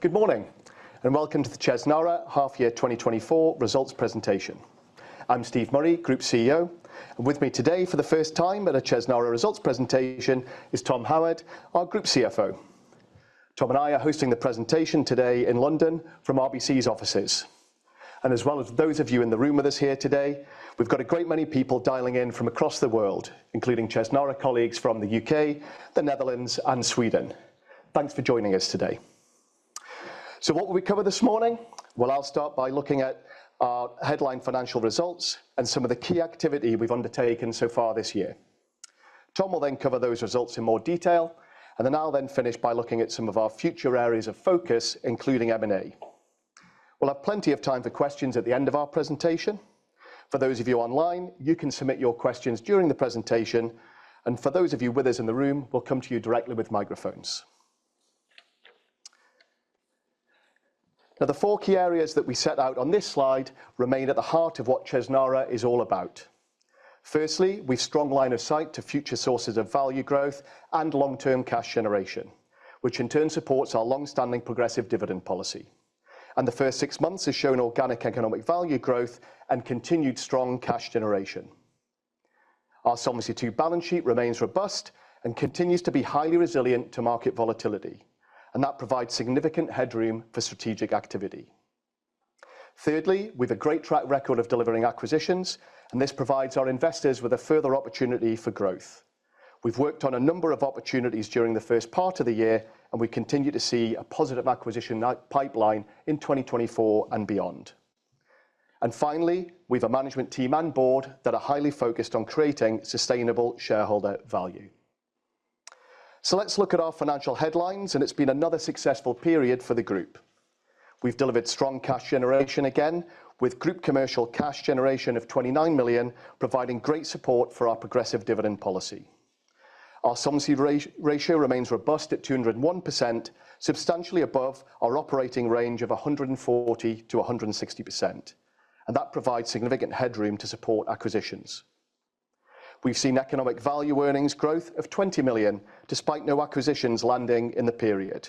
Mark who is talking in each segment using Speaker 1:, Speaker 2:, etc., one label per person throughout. Speaker 1: Good morning, and welcome to the Chesnara Half Year 2024 Results Presentation. I'm Steve Murray, Group CEO, and with me today for the first time at a Chesnara results presentation is Tom Howard, our Group CFO. Tom and I are hosting the presentation today in London from RBC's offices. And as well as those of you in the room with us here today, we've got a great many people dialing in from across the world, including Chesnara colleagues from the UK, the Netherlands, and Sweden. Thanks for joining us today. So what will we cover this morning? Well, I'll start by looking at our headline financial results and some of the key activity we've undertaken so far this year. Tom will then cover those results in more detail, and then I'll finish by looking at some of our future areas of focus, including M&A. We'll have plenty of time for questions at the end of our presentation. For those of you online, you can submit your questions during the presentation, and for those of you with us in the room, we'll come to you directly with microphones. Now, the four key areas that we set out on this slide remain at the heart of what Chesnara is all about. Firstly, we've strong line of sight to future sources of value growth and long-term cash generation, which in turn supports our long-standing progressive dividend policy, and the first six months has shown organic economic value growth and continued strong cash generation. Our Solvency II balance sheet remains robust and continues to be highly resilient to market volatility, and that provides significant headroom for strategic activity. Thirdly, we've a great track record of delivering acquisitions, and this provides our investors with a further opportunity for growth. We've worked on a number of opportunities during the first part of the year, and we continue to see a positive acquisition pipeline in 2024 and beyond. Finally, we've a management team and board that are highly focused on creating sustainable shareholder value. Let's look at our financial headlines, and it's been another successful period for the group. We've delivered strong cash generation again, with group commercial cash generation of 29 million, providing great support for our progressive dividend policy. Our Solvency ratio remains robust at 201%, substantially above our operating range of 140%-160%, and that provides significant headroom to support acquisitions. We've seen economic value earnings growth of 20 million, despite no acquisitions landing in the period.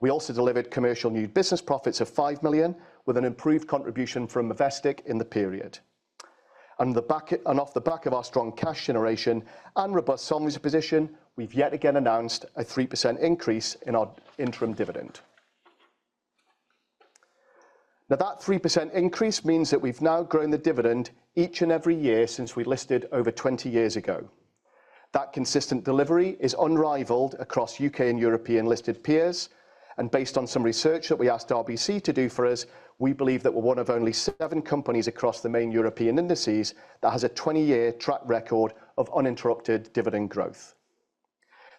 Speaker 1: We also delivered commercial new business profits of 5 million, with an improved contribution from Movestic in the period. And on the back of our strong cash generation and robust solvency position, we've yet again announced a 3% increase in our interim dividend. Now, that 3% increase means that we've now grown the dividend each and every year since we listed over 20 years ago. That consistent delivery is unrivaled across UK and European-listed peers, and based on some research that we asked RBC to do for us, we believe that we're one of only seven companies across the main European indices that has a 20-year track record of uninterrupted dividend growth.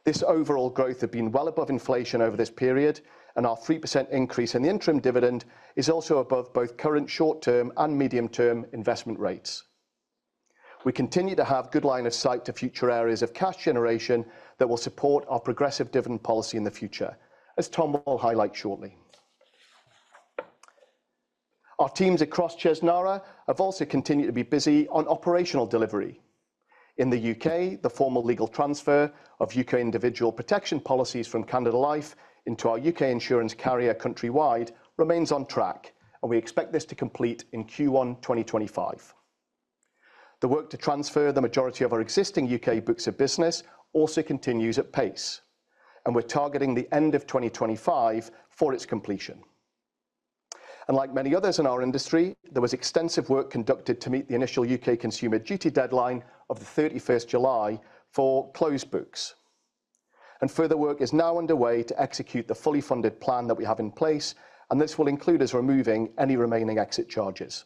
Speaker 1: This overall growth have been well above inflation over this period, and our 3% increase in the interim dividend is also above both current short-term and medium-term investment rates. We continue to have good line of sight to future areas of cash generation that will support our progressive dividend policy in the future, as Tom will highlight shortly. Our teams across Chesnara have also continued to be busy on operational delivery. In the UK, the formal legal transfer of UK individual protection policies from Canada Life into our UK insurance carrier, Countrywide, remains on track, and we expect this to complete in Q1 2025. The work to transfer the majority of our existing UK books of business also continues at pace, and we're targeting the end of 2025 for its completion, and like many others in our industry, there was extensive work conducted to meet the initial UK Consumer Duty deadline of the 31 July 2024 for closed books. Further work is now underway to execute the fully funded plan that we have in place, and this will include us removing any remaining exit charges.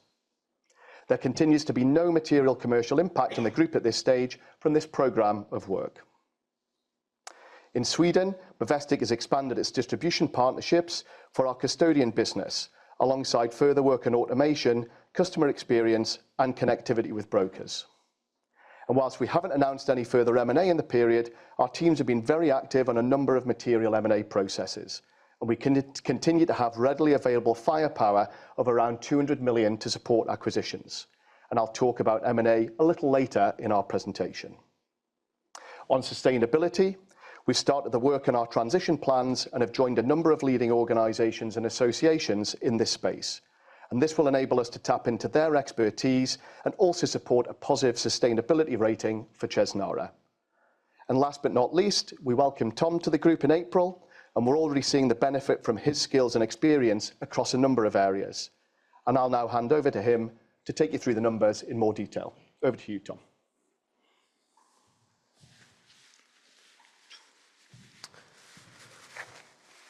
Speaker 1: There continues to be no material commercial impact on the group at this stage from this program of work. In Sweden, Movestic has expanded its distribution partnerships for our custodian business, alongside further work in automation, customer experience, and connectivity with brokers. While we haven't announced any further M&A in the period, our teams have been very active on a number of material M&A processes, and we continue to have readily available firepower of around £200 million to support acquisitions. I'll talk about M&A a little later in our presentation. On sustainability, we started the work on our transition plans and have joined a number of leading organizations and associations in this space, and this will enable us to tap into their expertise and also support a positive sustainability rating for Chesnara. And last but not least, we welcomed Tom to the group in April, and we're already seeing the benefit from his skills and experience across a number of areas. And I'll now hand over to him to take you through the numbers in more detail. Over to you, Tom.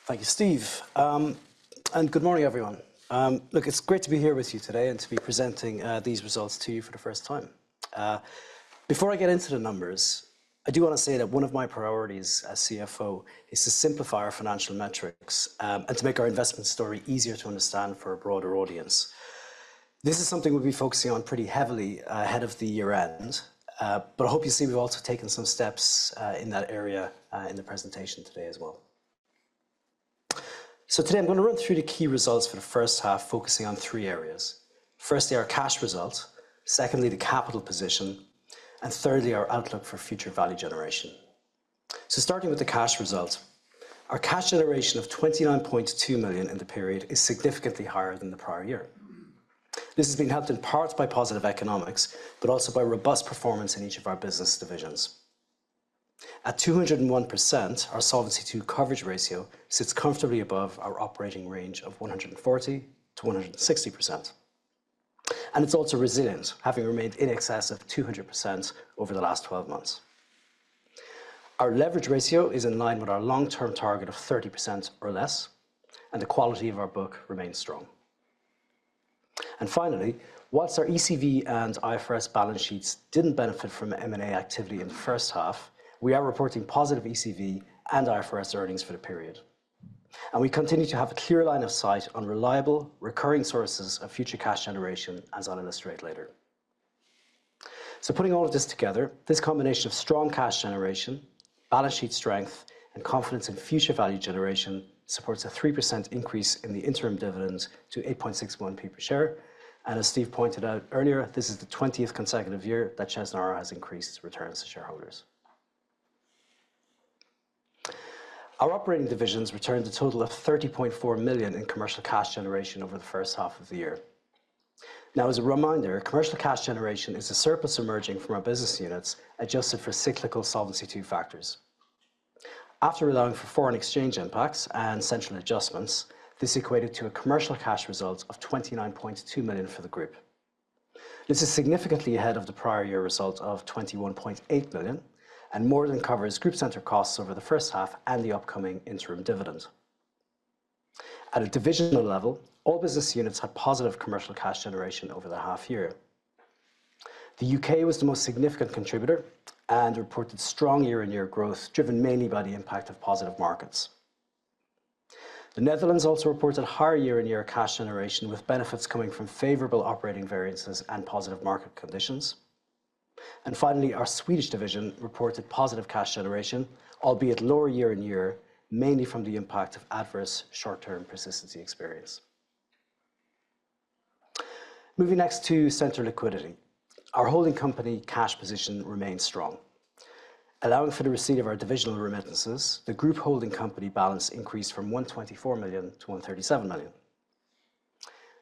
Speaker 2: Thank you, Steve, and good morning, everyone. Look, it's great to be here with you today and to be presenting these results to you for the first time. Before I get into the numbers, I do wanna say that one of my priorities as CFO is to simplify our financial metrics and to make our investment story easier to understand for a broader audience. This is something we'll be focusing on pretty heavily ahead of the year end, but I hope you see we've also taken some steps in that area in the presentation today as well. So today, I'm gonna run through the key results for the H1, focusing on three areas: firstly, our cash result, secondly, the capital position, and thirdly, our outlook for future value generation. Starting with the cash result, our cash generation of 29.2 million in the period is significantly higher than the prior year. This has been helped in part by positive economics, but also by robust performance in each of our business divisions. At 201%, our Solvency II coverage ratio sits comfortably above our operating range of 140%-160%, and it's also resilient, having remained in excess of 200% over the last 12 months. Our leverage ratio is in line with our long-term target of 30% or less, and the quality of our book remains strong. Finally, whilst our EcV and IFRS balance sheets didn't benefit from M&A activity in the H1, we are reporting positive EcV and IFRS earnings for the period. We continue to have a clear line of sight on reliable, recurring sources of future cash generation, as I'll illustrate later. Putting all of this together, this combination of strong cash generation, balance sheet strength, and confidence in future value generation supports a 3% increase in the interim dividend to 8.61p per share. As Steve pointed out earlier, this is the 20th consecutive year that Chesnara has increased returns to shareholders. Our operating divisions returned a total of 30.4 million in commercial cash generation over the H1 of the year. Now, as a reminder, commercial cash generation is the surplus emerging from our business units, adjusted for cyclical Solvency II factors. After allowing for foreign exchange impacts and central adjustments, this equated to a commercial cash result of 29.2 million for the group. This is significantly ahead of the prior year result of £21.8 million and more than covers group center costs over the H1 and the upcoming interim dividend. At a divisional level, all business units had positive commercial cash generation over the half year. The UK was the most significant contributor and reported strong year-on-year growth, driven mainly by the impact of positive markets. The Netherlands also reported higher year-on-year cash generation, with benefits coming from favorable operating variances and positive market conditions. And finally, our Swedish division reported positive cash generation, albeit lower year on year, mainly from the impact of adverse short-term persistency experience. Moving next to center liquidity. Our holding company cash position remains strong. Allowing for the receipt of our divisional remittances, the group holding company balance increased from £124 million to £137 million.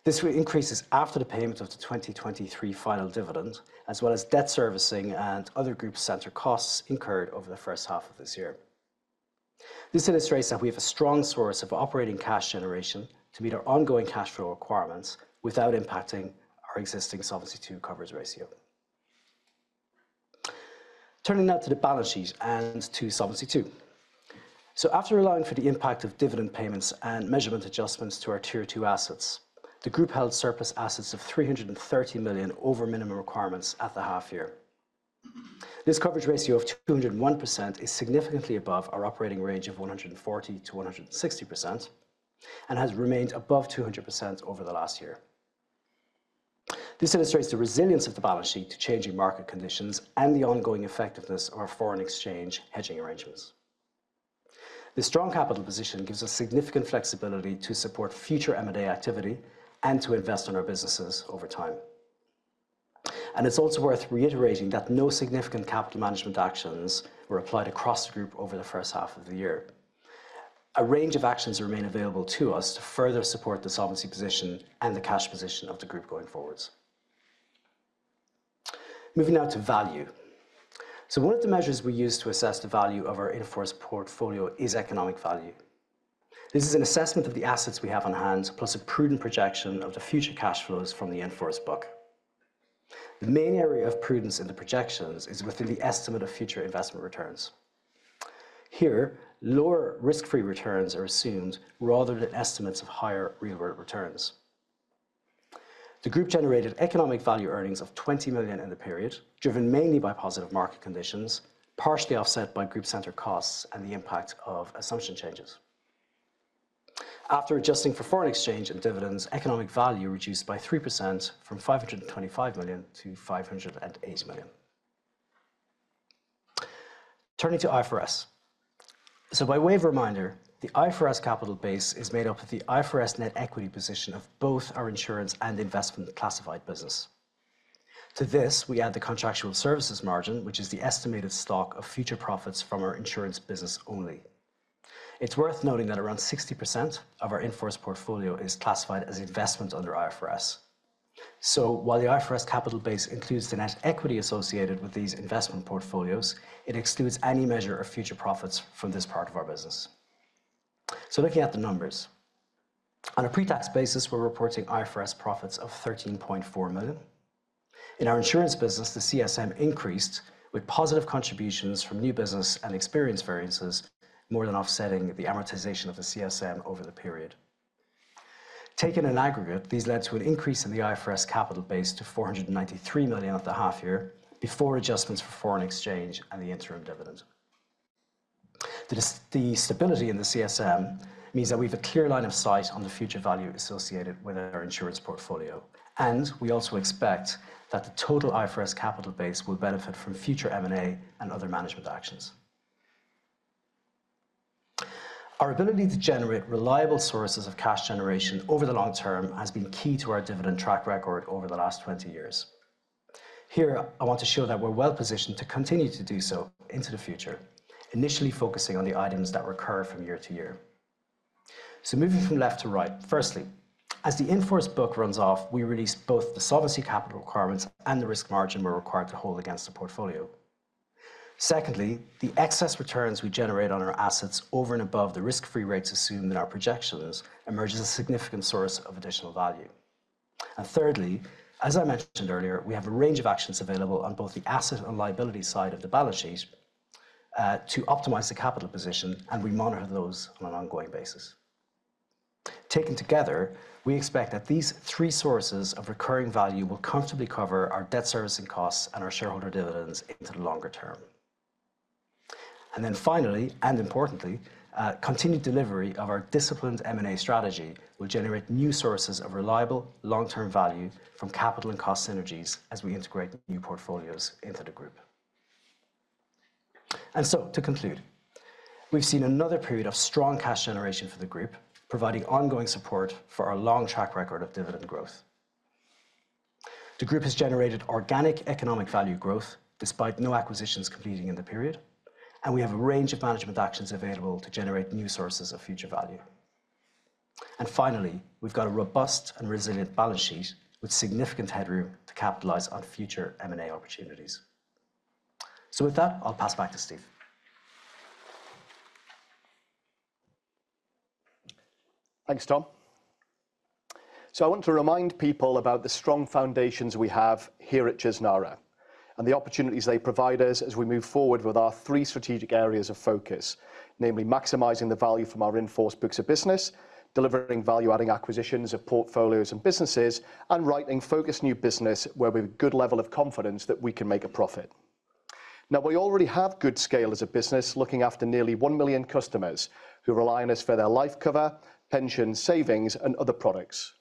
Speaker 2: This increase is after the payment of the 2023 final dividend, as well as debt servicing and other group center costs incurred over the H1 of this year. This illustrates that we have a strong source of operating cash generation to meet our ongoing cash flow requirements without impacting our existing Solvency II coverage ratio. Turning now to the balance sheet and to Solvency II. So after allowing for the impact of dividend payments and measurement adjustments to our Tier 2 assets, the group held surplus assets of £330 million over minimum requirements at the half year. This coverage ratio of 201% is significantly above our operating range of 140%-160% and has remained above 200% over the last year. This illustrates the resilience of the balance sheet to changing market conditions and the ongoing effectiveness of our foreign exchange hedging arrangements. The strong capital position gives us significant flexibility to support future M&A activity and to invest in our businesses over time. And it's also worth reiterating that no significant capital management actions were applied across the group over the H1 of the year. A range of actions remain available to us to further support the solvency position and the cash position of the group going forwards. Moving now to value, so one of the measures we use to assess the value of our in-force portfolio is economic value. This is an assessment of the assets we have on hand, plus a prudent projection of the future cash flows from the in-force book. The main area of prudence in the projections is within the estimate of future investment returns. Here, lower risk-free returns are assumed rather than estimates of higher real world returns. The group generated economic value earnings of 20 million in the period, driven mainly by positive market conditions, partially offset by group center costs and the impact of assumption changes. After adjusting for foreign exchange and dividends, economic value reduced by 3% from 525 million to 508 million. Turning to IFRS. So by way of reminder, the IFRS capital base is made up of the IFRS net equity position of both our insurance and investment-classified business. To this, we add the contractual service margin, which is the estimated stock of future profits from our insurance business only. It's worth noting that around 60% of our in-force portfolio is classified as investment under IFRS. So while the IFRS capital base includes the net equity associated with these investment portfolios, it excludes any measure of future profits from this part of our business. So looking at the numbers, on a pre-tax basis, we're reporting IFRS profits of 13.4 million. In our insurance business, the CSM increased, with positive contributions from new business and experience variances more than offsetting the amortization of the CSM over the period. Taken in aggregate, these led to an increase in the IFRS capital base to 493 million at the half year, before adjustments for foreign exchange and the interim dividend. The stability in the CSM means that we have a clear line of sight on the future value associated with our insurance portfolio, and we also expect that the total IFRS capital base will benefit from future M&A and other management actions. Our ability to generate reliable sources of cash generation over the long term has been key to our dividend track record over the last 20 years. Here, I want to show that we're well positioned to continue to do so into the future, initially focusing on the items that recur from year to year. So moving from left to right, firstly, as the in-force book runs off, we release both the Solvency Capital Requirements and the Risk Margin we're required to hold against the portfolio. Secondly, the excess returns we generate on our assets over and above the risk-free rates assumed in our projections emerges a significant source of additional value, and thirdly, as I mentioned earlier, we have a range of actions available on both the asset and liability side of the balance sheet to optimize the capital position, and we monitor those on an ongoing basis. Taken together, we expect that these three sources of recurring value will comfortably cover our debt servicing costs and our shareholder dividends into the longer term, and then finally, and importantly, continued delivery of our disciplined M&A strategy will generate new sources of reliable long-term value from capital and cost synergies as we integrate new portfolios into the group, and so, to conclude, we've seen another period of strong cash generation for the group, providing ongoing support for our long track record of dividend growth. The group has generated organic economic value growth despite no acquisitions completing in the period, and we have a range of management actions available to generate new sources of future value, and finally, we've got a robust and resilient balance sheet with significant headroom to capitalize on future M&A opportunities, so with that, I'll pass back to Steve.
Speaker 1: Thanks, Tom. So I want to remind people about the strong foundations we have here at Chesnara and the opportunities they provide us as we move forward with our three strategic areas of focus. Namely, maximizing the value from our in-force books of business, delivering value-adding acquisitions of portfolios and businesses, and writing focused new business where we've a good level of confidence that we can make a profit. Now, we already have good scale as a business, looking after nearly one million customers who rely on us for their life cover, pension savings, and other products.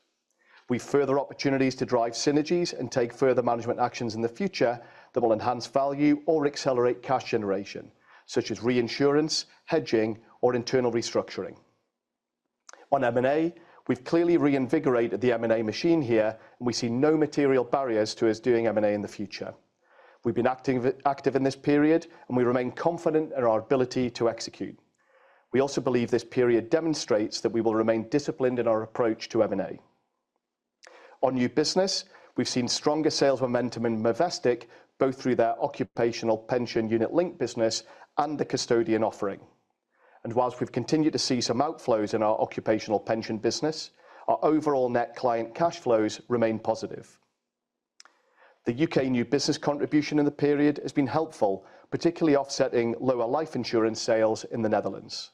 Speaker 1: We've further opportunities to drive synergies and take further management actions in the future that will enhance value or accelerate cash generation, such as reinsurance, hedging, or internal restructuring. On M&A, we've clearly reinvigorated the M&A machine here, and we see no material barriers to us doing M&A in the future. We've been acting active in this period, and we remain confident in our ability to execute. We also believe this period demonstrates that we will remain disciplined in our approach to M&A. On new business, we've seen stronger sales momentum in Movestic, both through their occupational pension unit-linked business and the custodian offering. And while we've continued to see some outflows in our occupational pension business, our overall net client cash flows remain positive. The UK new business contribution in the period has been helpful, particularly offsetting lower life insurance sales in the Netherlands.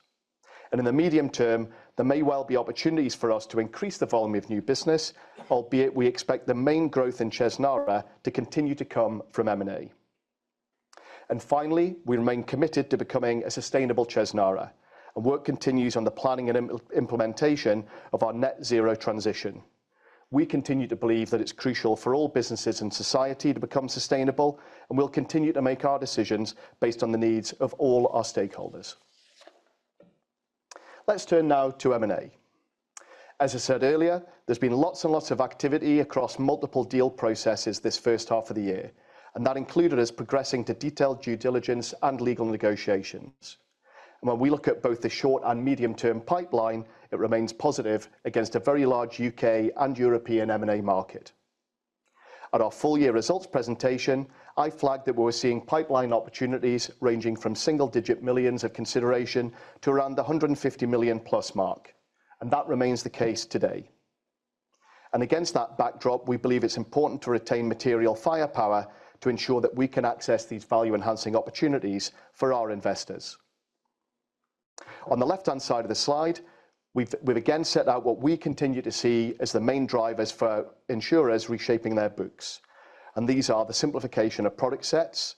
Speaker 1: And in the medium term, there may well be opportunities for us to increase the volume of new business, albeit we expect the main growth in Chesnara to continue to come from M&A. Finally, we remain committed to becoming a sustainable Chesnara, and work continues on the planning and implementation of our net-zero transition. We continue to believe that it's crucial for all businesses in society to become sustainable, and we'll continue to make our decisions based on the needs of all our stakeholders. Let's turn now to M&A. As I said earlier, there's been lots and lots of activity across multiple deal processes this H1 of the year, and that included us progressing to detailed due diligence and legal negotiations. When we look at both the short and medium-term pipeline, it remains positive against a very large UK and European M&A market. At our full-year results presentation, I flagged that we were seeing pipeline opportunities ranging from single-digit millions of consideration to around the £150 million plus mark, and that remains the case today, and against that backdrop, we believe it's important to retain material firepower to ensure that we can access these value-enhancing opportunities for our investors. On the left-hand side of the slide, we've again set out what we continue to see as the main drivers for insurers reshaping their books, and these are the simplification of product sets,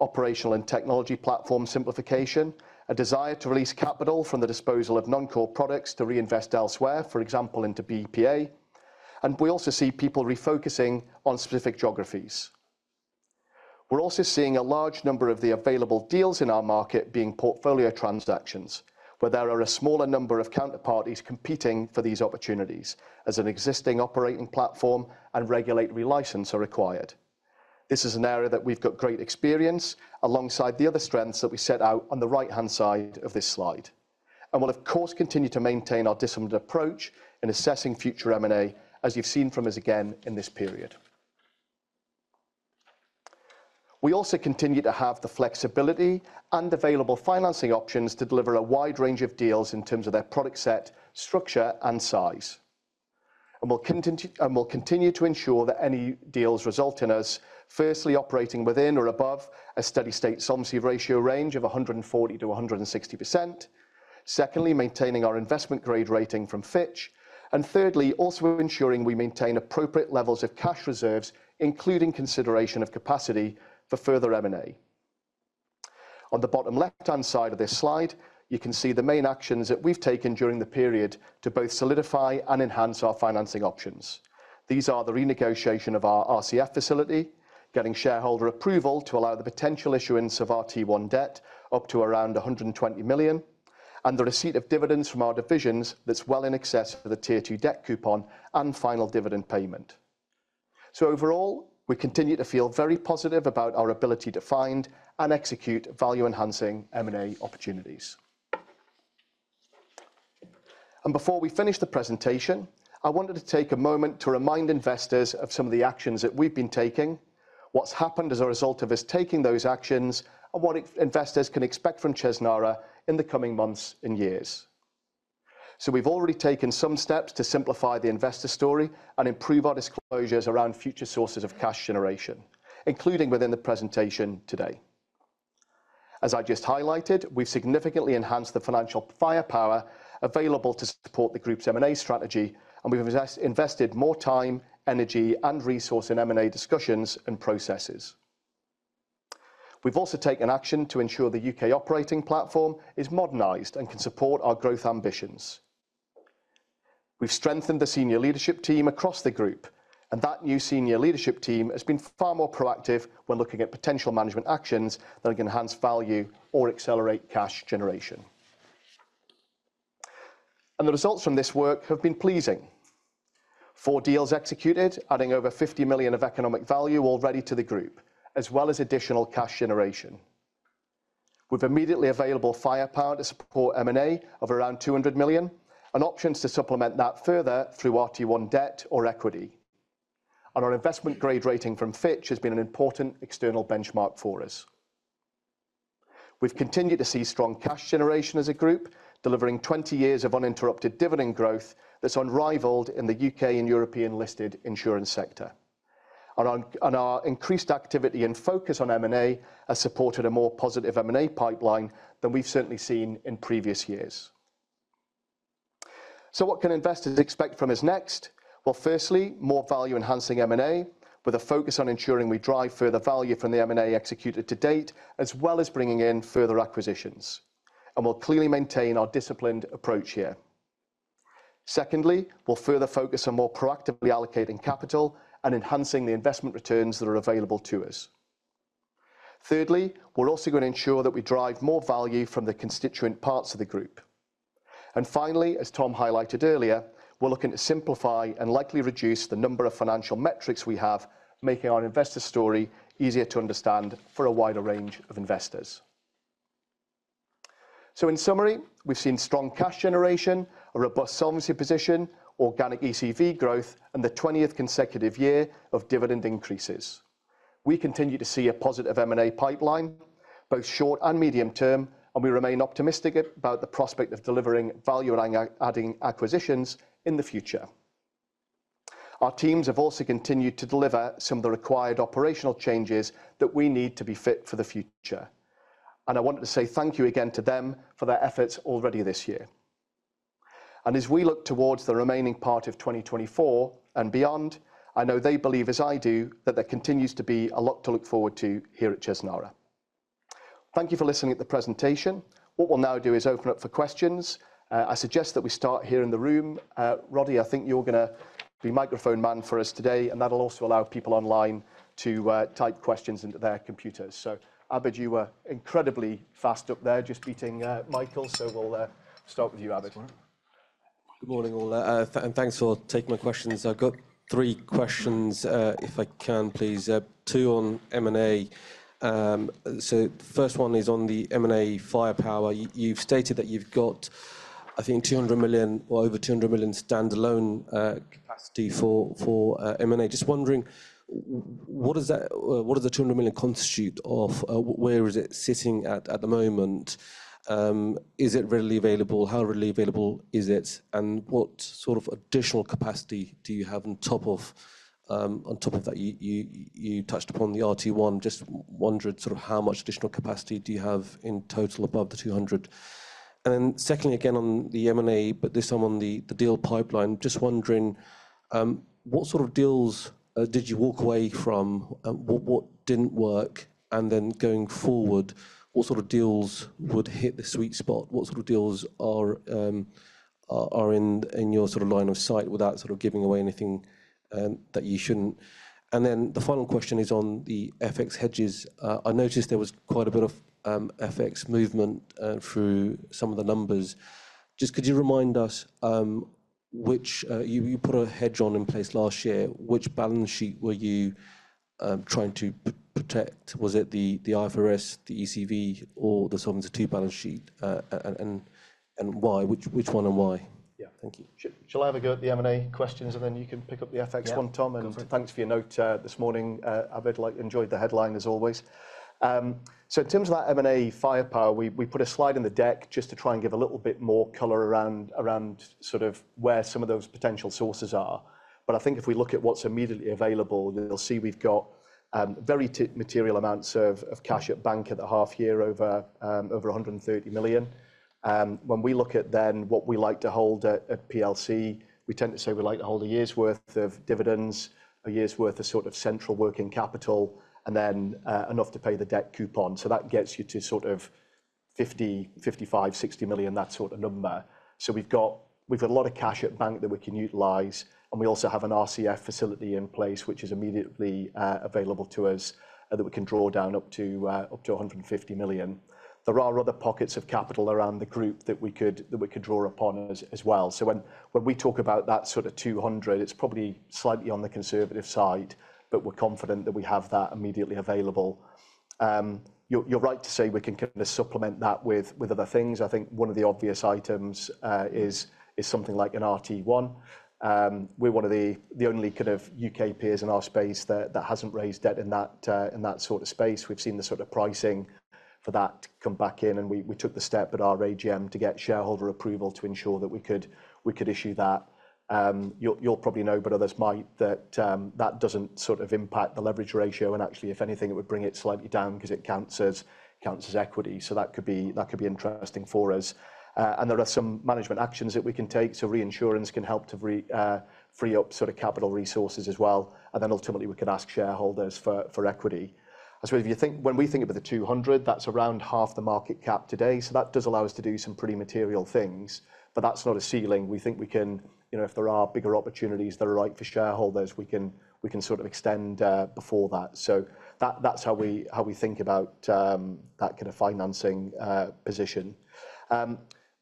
Speaker 1: operational and technology platform simplification, a desire to release capital from the disposal of non-core products to reinvest elsewhere, for example, into BPA. And we also see people refocusing on specific geographies. We're also seeing a large number of the available deals in our market being portfolio transactions, where there are a smaller number of counterparties competing for these opportunities, as an existing operating platform and regulatory license are required. This is an area that we've got great experience, alongside the other strengths that we set out on the right-hand side of this slide, and we'll, of course, continue to maintain our disciplined approach in assessing future M&A, as you've seen from us again in this period. We also continue to have the flexibility and available financing options to deliver a wide range of deals in terms of their product set, structure, and size. We'll continue to ensure that any deals result in us, firstly, operating within or above a steady-state solvency ratio range of 140%-160%. Secondly, maintaining our investment grade rating from Fitch. And thirdly, also ensuring we maintain appropriate levels of cash reserves, including consideration of capacity for further M&A. On the bottom left-hand side of this slide, you can see the main actions that we've taken during the period to both solidify and enhance our financing options. These are the renegotiation of our RCF facility, getting shareholder approval to allow the potential issuance of our T1 debt up to around £120 million, and the receipt of dividends from our divisions that's well in excess for the Tier 2 debt coupon and final dividend payment. So overall, we continue to feel very positive about our ability to find and execute value-enhancing M&A opportunities. And before we finish the presentation, I wanted to take a moment to remind investors of some of the actions that we've been taking, what's happened as a result of us taking those actions, and what investors can expect from Chesnara in the coming months and years. So we've already taken some steps to simplify the investor story and improve our disclosures around future sources of cash generation, including within the presentation today. As I just highlighted, we've significantly enhanced the financial firepower available to support the group's M&A strategy, and we've invested more time, energy, and resource in M&A discussions and processes. We've also taken action to ensure the UK operating platform is modernized and can support our growth ambitions. We've strengthened the senior leadership team across the group, and that new senior leadership team has been far more proactive when looking at potential management actions that will enhance value or accelerate cash generation. And the results from this work have been pleasing. Four deals executed, adding over £50 million of economic value already to the group, as well as additional cash generation. With immediately available firepower to support M&A of around £200 million, and options to supplement that further through RT1 debt or equity. And our investment grade rating from Fitch has been an important external benchmark for us. We've continued to see strong cash generation as a group, delivering 20 years of uninterrupted dividend growth that's unrivalled in the UK and European-listed insurance sector. Our increased activity and focus on M&A has supported a more positive M&A pipeline than we've certainly seen in previous years. What can investors expect from us next? Firstly, more value-enhancing M&A, with a focus on ensuring we drive further value from the M&A executed to date, as well as bringing in further acquisitions. We'll clearly maintain our disciplined approach here. Secondly, we'll further focus on more proactively allocating capital and enhancing the investment returns that are available to us. Thirdly, we're also going to ensure that we drive more value from the constituent parts of the group. Finally, as Tom highlighted earlier, we're looking to simplify and likely reduce the number of financial metrics we have, making our investor story easier to understand for a wider range of investors. So in summary, we've seen strong cash generation, a robust solvency position, organic EcV growth, and the 20th consecutive year of dividend increases. We continue to see a positive M&A pipeline, both short and medium term, and we remain optimistic about the prospect of delivering value and adding acquisitions in the future. Our teams have also continued to deliver some of the required operational changes that we need to be fit for the future, and I wanted to say thank you again to them for their efforts already this year. And as we look towards the remaining part of 2024 and beyond, I know they believe, as I do, that there continues to be a lot to look forward to here at Chesnara. Thank you for listening at the presentation. What we'll now do is open up for questions. I suggest that we start here in the room. Roddy, I think you're gonna be microphone man for us today, and that will also allow people online to type questions into their computers. So, Abid, you were incredibly fast up there, just beating Michael, so we'll start with you, Abid.
Speaker 3: Good morning, all, and thanks for taking my questions. I've got three questions, if I can, please. Two on M&A. So first one is on the M&A firepower. You've stated that you've got, I think, £200 million or over £200 million standalone capacity for M&A. Just wondering, what does that... what does the £200 million constitute of? Where is it sitting at the moment? Is it readily available? How readily available is it, and what sort of additional capacity do you have on top of that? You touched upon the RT1. Just wondered sort of how much additional capacity do you have in total above the £200? And then secondly, again, on the M&A, but this time on the deal pipeline. Just wondering, what sort of deals did you walk away from? What didn't work? And then going forward, what sort of deals would hit the sweet spot? What sort of deals are in your sort of line of sight without sort of giving away anything that you shouldn't? And then the final question is on the FX hedges. I noticed there was quite a bit of FX movement through some of the numbers. Just could you remind us, which you put a hedge on in place last year, which balance sheet were you trying to protect? Was it the IFRS, the EcV, or the Solvency II balance sheet, and why? Which one and why?
Speaker 1: Yeah.
Speaker 3: Thank you.
Speaker 1: Shall I have a go at the M&A questions, and then you can pick up the FX one, Tom?
Speaker 3: Yeah.
Speaker 1: Thanks for your note this morning. Abid, I enjoyed the headline, as always. So in terms of that M&A firepower, we put a slide in the deck just to try and give a little bit more color around sort of where some of those potential sources are. But I think if we look at what's immediately available, you'll see we've got very material amounts of cash at bank at the half year, over 130 million. When we look at then what we like to hold at PLC, we tend to say we like to hold a year's worth of dividends, a year's worth of sort of central working capital, and then enough to pay the debt coupon. So that gets you to sort of 50, 55, 60 million, that sort of number. We've got a lot of cash at bank that we can utilize, and we also have an RCF facility in place, which is immediately available to us, that we can draw down up to £150 million. There are other pockets of capital around the group that we could draw upon as well. When we talk about that sort of £200 million, it's probably slightly on the conservative side, but we're confident that we have that immediately available. You're right to say we can kind of supplement that with other things. I think one of the obvious items is something like an RT1. We're one of the only kind of UK peers in our space that hasn't raised debt in that sort of space. We've seen the sort of pricing for that come back in, and we took the step at our AGM to get shareholder approval to ensure that we could issue that. You'll probably know, but others might, that that doesn't sort of impact the leverage ratio, and actually, if anything, it would bring it slightly down because it counts as equity. So that could be interesting for us. And there are some management actions that we can take, so reinsurance can help to free up sort of capital resources as well, and then ultimately we can ask shareholders for equity. And so if you think, when we think about the two hundred, that's around half the market cap today, so that does allow us to do some pretty material things, but that's not a ceiling. We think we can. You know, if there are bigger opportunities that are right for shareholders, we can sort of extend before that. So that's how we think about that kind of financing position.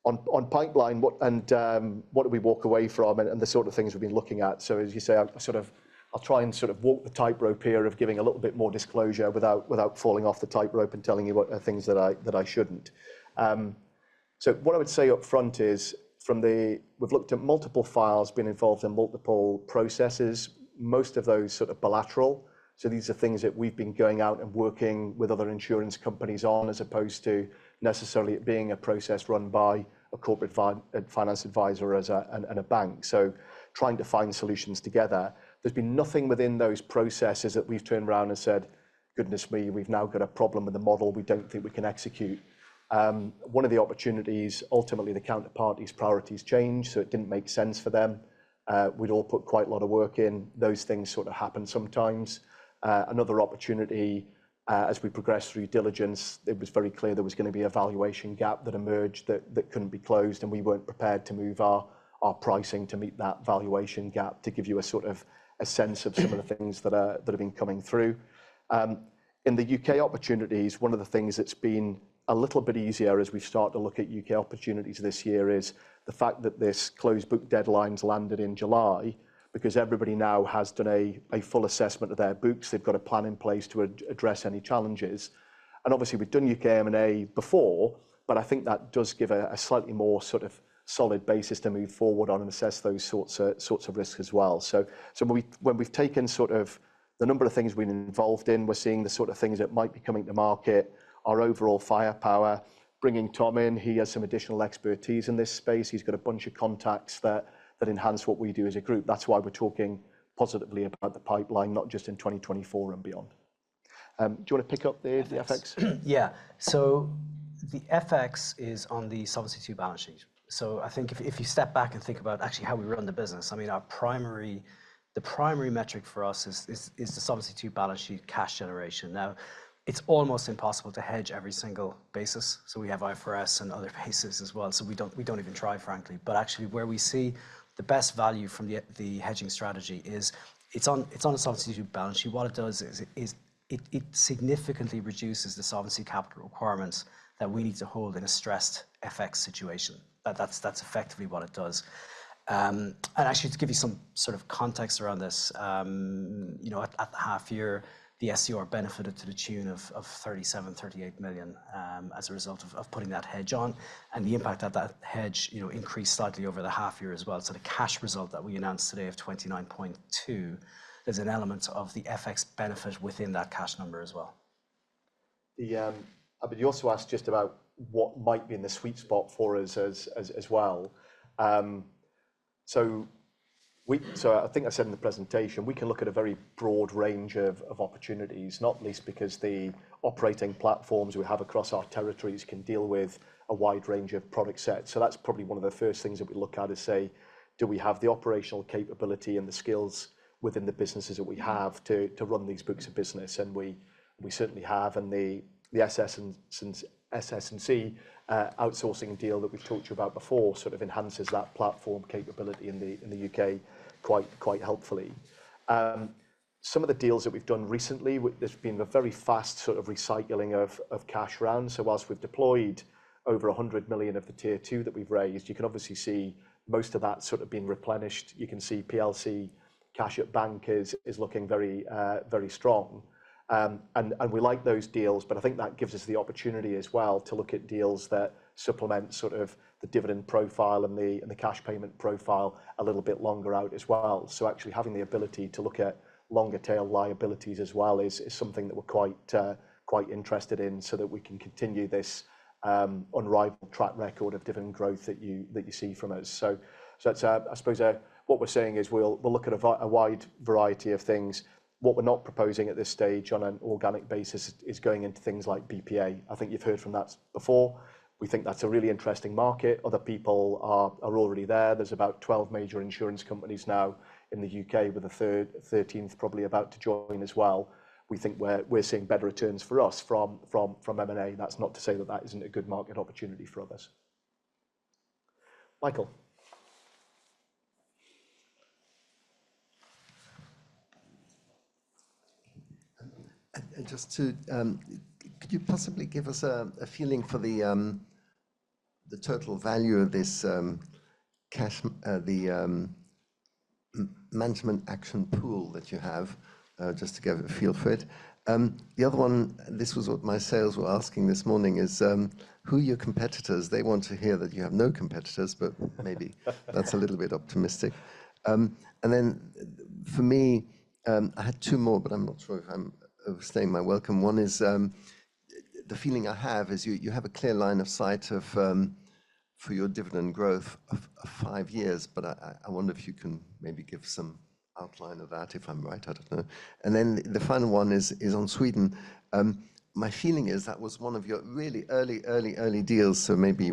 Speaker 1: On pipeline, what and what do we walk away from and the sort of things we've been looking at. So, as you say, I sort of I'll try and sort of walk the tightrope here of giving a little bit more disclosure without falling off the tightrope and telling you what are things that I shouldn't. So what I would say up front is, from the, we've looked at multiple files, been involved in multiple processes, most of those sort of bilateral. So these are things that we've been going out and working with other insurance companies on, as opposed to necessarily it being a process run by a corporate financial advisor and a bank. So trying to find solutions together. There's been nothing within those processes that we've turned around and said, "Goodness me, we've now got a problem with the model we don't think we can execute." One of the opportunities, ultimately, the counterparty's priorities changed, so it didn't make sense for them. We'd all put quite a lot of work in. Those things sort of happen sometimes. Another opportunity, as we progressed through due diligence, it was very clear there was going to be a valuation gap that emerged that couldn't be closed, and we weren't prepared to move our pricing to meet that valuation gap, to give you a sort of a sense of some of the things that have been coming through. In the UK opportunities, one of the things that's been a little bit easier as we start to look at UK opportunities this year is the fact that this closed book deadlines landed in July, because everybody now has done a full assessment of their books. They've got a plan in place to address any challenges. And obviously, we've done UK M&A before, but I think that does give a slightly more sort of solid basis to move forward on and assess those sorts of risks as well. So when we've taken sort of the number of things we've been involved in, we're seeing the sort of things that might be coming to market, our overall firepower. Bringing Tom in, he has some additional expertise in this space. He's got a bunch of contacts that enhance what we do as a group. That's why we're talking positively about the pipeline, not just in 2024 and beyond. Do you want to pick up the FX?
Speaker 2: Yeah. So the FX is on the Solvency II balance sheet. So I think if you step back and think about actually how we run the business, I mean, the primary metric for us is the Solvency II balance sheet, cash generation. Now, it's almost impossible to hedge every single basis, so we have IFRS and other bases as well. So we don't even try, frankly. But actually, where we see the best value from the hedging strategy is it's on a Solvency II balance sheet. What it does is it significantly reduces the solvency capital requirements that we need to hold in a stressed FX situation. That's effectively what it does.
Speaker 3: Actually, to give you some sort of context around this, you know, at the half year, the SCR benefited to the tune of £37-£38 million as a result of putting that hedge on, and the impact of that hedge, you know, increased slightly over the half year as well. So the cash result that we announced today of £29.2 million, there's an element of the FX benefit within that cash number as well.
Speaker 1: But you also asked just about what might be in the sweet spot for us as well. So I think I said in the presentation, we can look at a very broad range of opportunities, not least because the operating platforms we have across our territories can deal with a wide range of product sets. So that's probably one of the first things that we look at is say: Do we have the operational capability and the skills within the businesses that we have to run these books of business? And we certainly have, and the SS&C outsourcing deal that we've talked about before sort of enhances that platform capability in the UK quite helpfully.
Speaker 3: Some of the deals that we've done recently, there's been a very fast sort of recycling of cash round. So while we've deployed over 100 million of the Tier 2 that we've raised, you can obviously see most of that sort of being replenished. You can see PLC cash at bank is looking very, very strong. And we like those deals, but I think that gives us the opportunity as well to look at deals that supplement sort of the dividend profile and the cash payment profile a little bit longer out as well. So actually, having the ability to look at longer tail liabilities as well is something that we're quite interested in so that we can continue this unrivaled track record of dividend growth that you see from us.
Speaker 1: So it's, I suppose, what we're saying is we'll look at a wide variety of things. What we're not proposing at this stage on an organic basis is going into things like BPA. I think you've heard from that before. We think that's a really interesting market. Other people are already there. There's about 12 major insurance companies now in the UK, with a 13th probably about to join as well. We think we're seeing better returns for us from M&A. That's not to say that isn't a good market opportunity for others. Michael?
Speaker 3: And just to could you possibly give us a feeling for the total value of this cash, the management action pool that you have? Just to get a feel for it. The other one, this was what my sales were asking this morning, is who are your competitors? They want to hear that you have no competitors, but maybe that's a little bit optimistic. And then for me, I had two more, but I'm not sure if I'm overstaying my welcome. One is, the feeling I have is you have a clear line of sight of for your dividend growth of five years, but I wonder if you can maybe give some outline of that, if I'm right. I don't know. And then the final one is on Sweden. My feeling is that was one of your really early deals, so maybe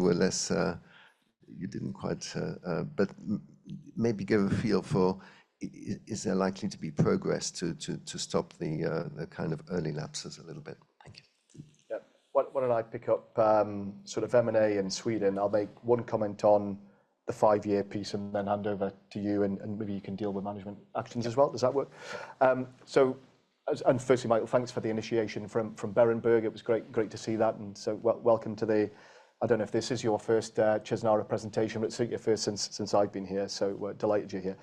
Speaker 3: give a feel for, is there likely to be progress to stop the kind of early lapses a little bit? Thank you.
Speaker 1: Yeah. Why don't I pick up sort of M&A in Sweden? I'll make one comment on the five-year piece and then hand over to you, and maybe you can deal with management actions as well. Does that work? So, and firstly, Michael, thanks for the initiation from Berenberg. It was great to see that, and so we welcome to the... I don't know if this is your first Chesnara presentation, but certainly your first since I've been here, so we're delighted you're here.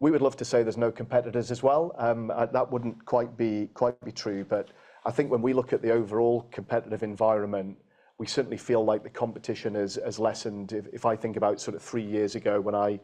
Speaker 1: We would love to say there's no competitors as well, that wouldn't quite be true. But I think when we look at the overall competitive environment, we certainly feel like the competition has lessened. If I think about sort of three years ago when I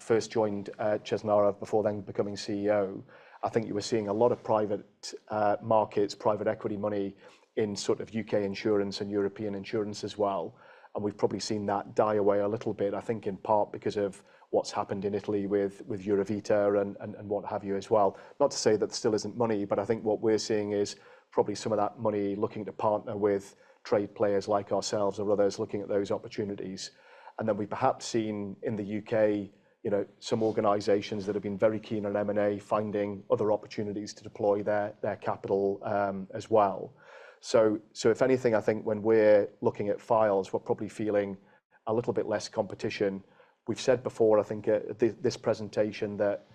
Speaker 1: first joined Chesnara before then becoming CEO, I think you were seeing a lot of private markets, private equity money in sort of UK. insurance and European insurance as well, and we've probably seen that die away a little bit, I think, in part because of what's happened in Italy with Eurovita and what have you as well. Not to say that there still isn't money, but I think what we're seeing is probably some of that money looking to partner with trade players like ourselves or others looking at those opportunities. And then we've perhaps seen in the UK, you know, some organizations that have been very keen on M&A, finding other opportunities to deploy their capital as well. If anything, I think when we're looking at files, we're probably feeling a little bit less competition. We've said before, I think at this presentation, that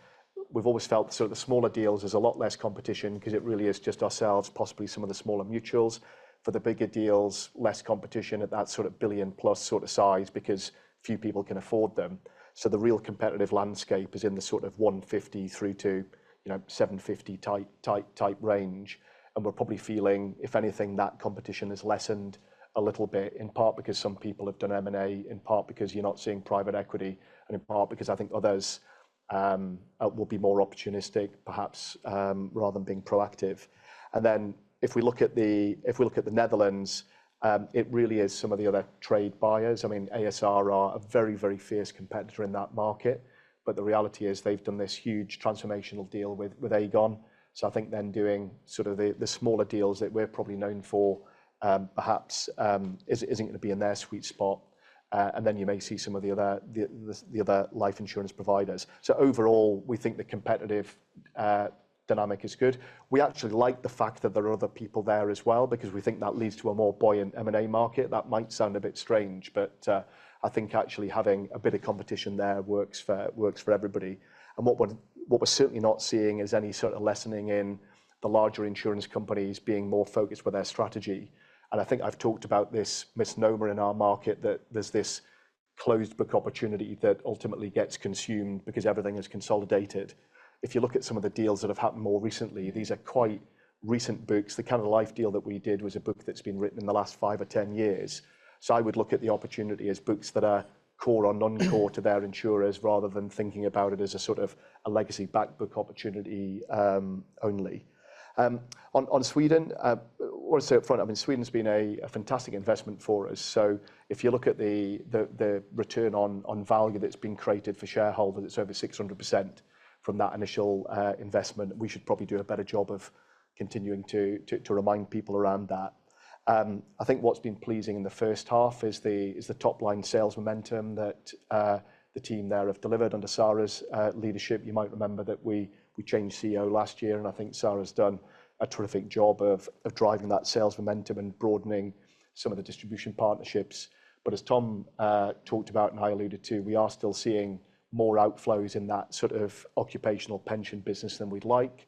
Speaker 1: we've always felt sort of the smaller deals, there's a lot less competition 'cause it really is just ourselves, possibly some of the smaller mutuals. For the bigger deals, less competition at that sort of billion plus sort of size because few people can afford them. So the real competitive landscape is in the sort of one fifty through to, you know, seven fifty type range, and we're probably feeling, if anything, that competition has lessened a little bit, in part because some people have done M&A, in part because you're not seeing private equity, and in part because I think others will be more opportunistic, perhaps, rather than being proactive. If we look at the Netherlands, it really is some of the other trade buyers. I mean, ASR are a very, very fierce competitor in that market, but the reality is they've done this huge transformational deal with Aegon. So I think then doing sort of the smaller deals that we're probably known for, perhaps, isn't going to be in their sweet spot, and then you may see some of the other life insurance providers. So overall, we think the competitive dynamic is good. We actually like the fact that there are other people there as well because we think that leads to a more buoyant M&A market. That might sound a bit strange, but I think actually having a bit of competition there works for everybody. And what we're certainly not seeing is any sort of lessening in the larger insurance companies being more focused with their strategy. And I think I've talked about this misnomer in our market, that there's this closed book opportunity that ultimately gets consumed because everything is consolidated. If you look at some of the deals that have happened more recently, these are quite recent books. The Canada Life deal that we did was a book that's been written in the last five or 10 years. So I would look at the opportunity as books that are core or non-core to their insurers, rather than thinking about it as a sort of a legacy back book opportunity, only. On Sweden, want to say up front, I mean, Sweden's been a fantastic investment for us. So if you look at the return on value that's been created for shareholders, it's over 600% from that initial investment. We should probably do a better job of continuing to remind people around that. I think what's been pleasing in the H1 is the top-line sales momentum that the team there have delivered under Sara's leadership. You might remember that we changed CEO last year, and I think Sara's done a terrific job of driving that sales momentum and broadening some of the distribution partnerships. But as Tom talked about and I alluded to, we are still seeing more outflows in that sort of occupational pension business than we'd like.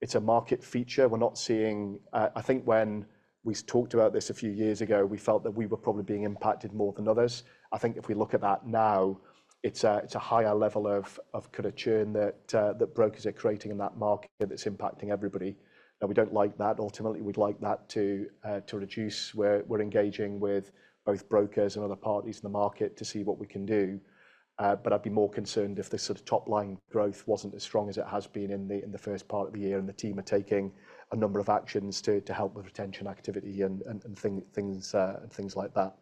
Speaker 1: It's a market feature we're not seeing... I think when we talked about this a few years ago, we felt that we were probably being impacted more than others. I think if we look at that now, it's a higher level of kind of churn that brokers are creating in that market that's impacting everybody. Now, we don't like that. Ultimately, we'd like that to reduce. We're engaging with both brokers and other parties in the market to see what we can do, but I'd be more concerned if the sort of top-line growth wasn't as strong as it has been in the first part of the year, and the team are taking a number of actions to help with retention activity and things like that.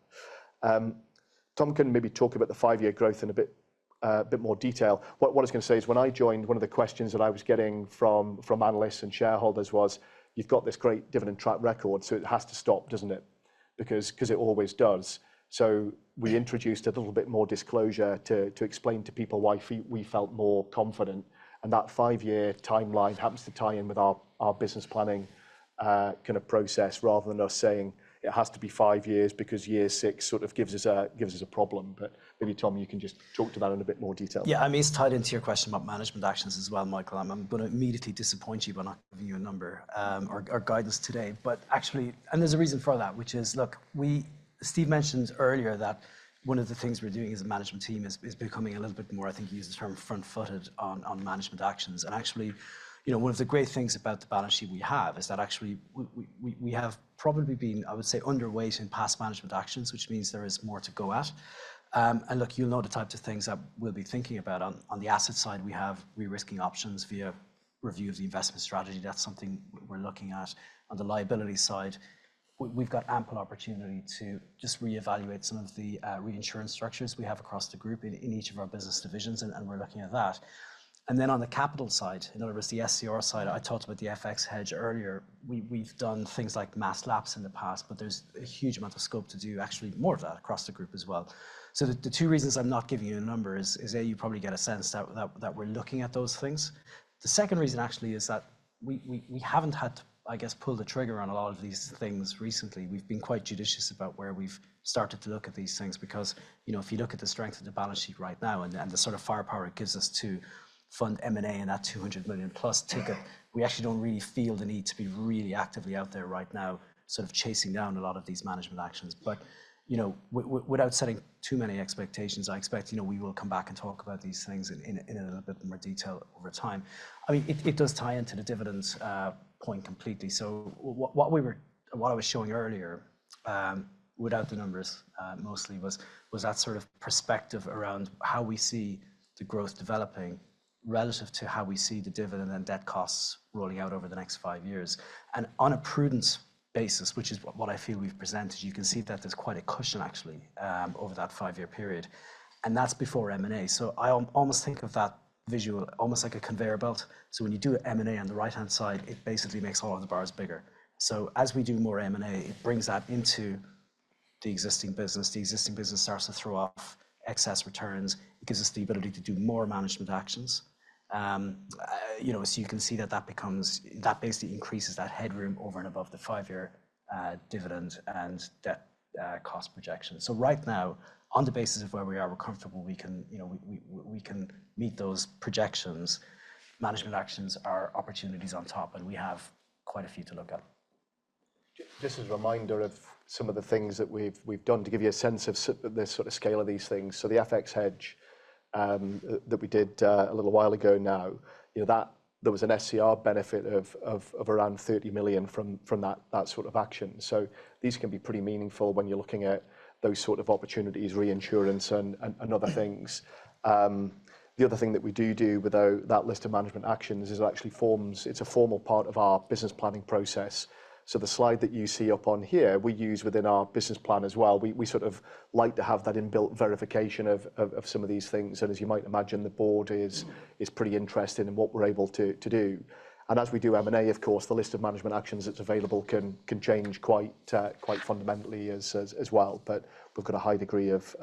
Speaker 1: Tom can maybe talk about the five-year growth in a bit more detail. What I was going to say is, when I joined, one of the questions that I was getting from analysts and shareholders was: you've got this great dividend track record, so it has to stop, doesn't it? Because 'cause it always does. So we introduced a little bit more disclosure to explain to people why we felt more confident. And that five-year timeline happens to tie in with our business planning kind of process, rather than us saying it has to be five years because year six sort of gives us a problem. But maybe, Tom, you can just talk to that in a bit more detail.
Speaker 2: Yeah, I mean, it's tied into your question about management actions as well, Michael. I'm gonna immediately disappoint you by not giving you a number, or guidance today. But actually, there's a reason for that, which is, look, we-- Steve mentioned earlier that one of the things we're doing as a management team is becoming a little bit more, I think he used the term, front-footed on management actions. And actually, you know, one of the great things about the balance sheet we have is that actually we have probably been, I would say, underweight in past management actions, which means there is more to go at. And look, you'll know the types of things that we'll be thinking about. On the asset side, we have de-risking options via review of the investment strategy. That's something we're looking at. On the liability side, we've got ample opportunity to just re-evaluate some of the reinsurance structures we have across the group in each of our business divisions, and we're looking at that. And then on the capital side, in other words, the SCR side, I talked about the FX hedge earlier. We've done things like mass lapse in the past, but there's a huge amount of scope to do actually more of that across the group as well. So the two reasons I'm not giving you a number is, A, you probably get a sense that we're looking at those things. The second reason, actually, is that we haven't had to, I guess, pull the trigger on a lot of these things recently. We've been quite judicious about where we've started to look at these things because, you know, if you look at the strength of the balance sheet right now and the sort of firepower it gives us to fund M&A and that £200 million-plus ticket, we actually don't really feel the need to be really actively out there right now, sort of chasing down a lot of these management actions. But, you know, without setting too many expectations, I expect, you know, we will come back and talk about these things in a little bit more detail over time. I mean, it does tie into the dividends point completely. So what I was showing earlier, without the numbers, mostly, was that sort of perspective around how we see the growth developing relative to how we see the dividend and debt costs rolling out over the next five years. And on a prudent basis, which is what I feel we've presented, you can see that there's quite a cushion, actually, over that five-year period, and that's before M&A. So I almost think of that visual almost like a conveyor belt. So when you do an M&A on the right-hand side, it basically makes all of the bars bigger. So as we do more M&A, it brings that into the existing business. The existing business starts to throw off excess returns. It gives us the ability to do more management actions. you know, so you can see that that becomes... That basically increases that headroom over and above the five-year, dividend and debt, cost projection. So right now, on the basis of where we are, we're comfortable we can, you know, we can meet those projections. Management actions are opportunities on top, and we have quite a few to look at.
Speaker 1: Just as a reminder of some of the things that we've done to give you a sense of the sort of scale of these things. So the FX hedge that we did a little while ago now, you know, that there was an SCR benefit of around £30 million from that sort of action. So these can be pretty meaningful when you're looking at those sort of opportunities, reinsurance and other things. The other thing that we do with that list of management actions is that it actually forms. It's a formal part of our business planning process. So the slide that you see up on here, we use within our business plan as well. We sort of like to have that inbuilt verification of some of these things, and as you might imagine, the board is pretty interested in what we're able to do. And as we do M&A, of course, the list of management actions that's available can change quite fundamentally as well. But we've got a high degree of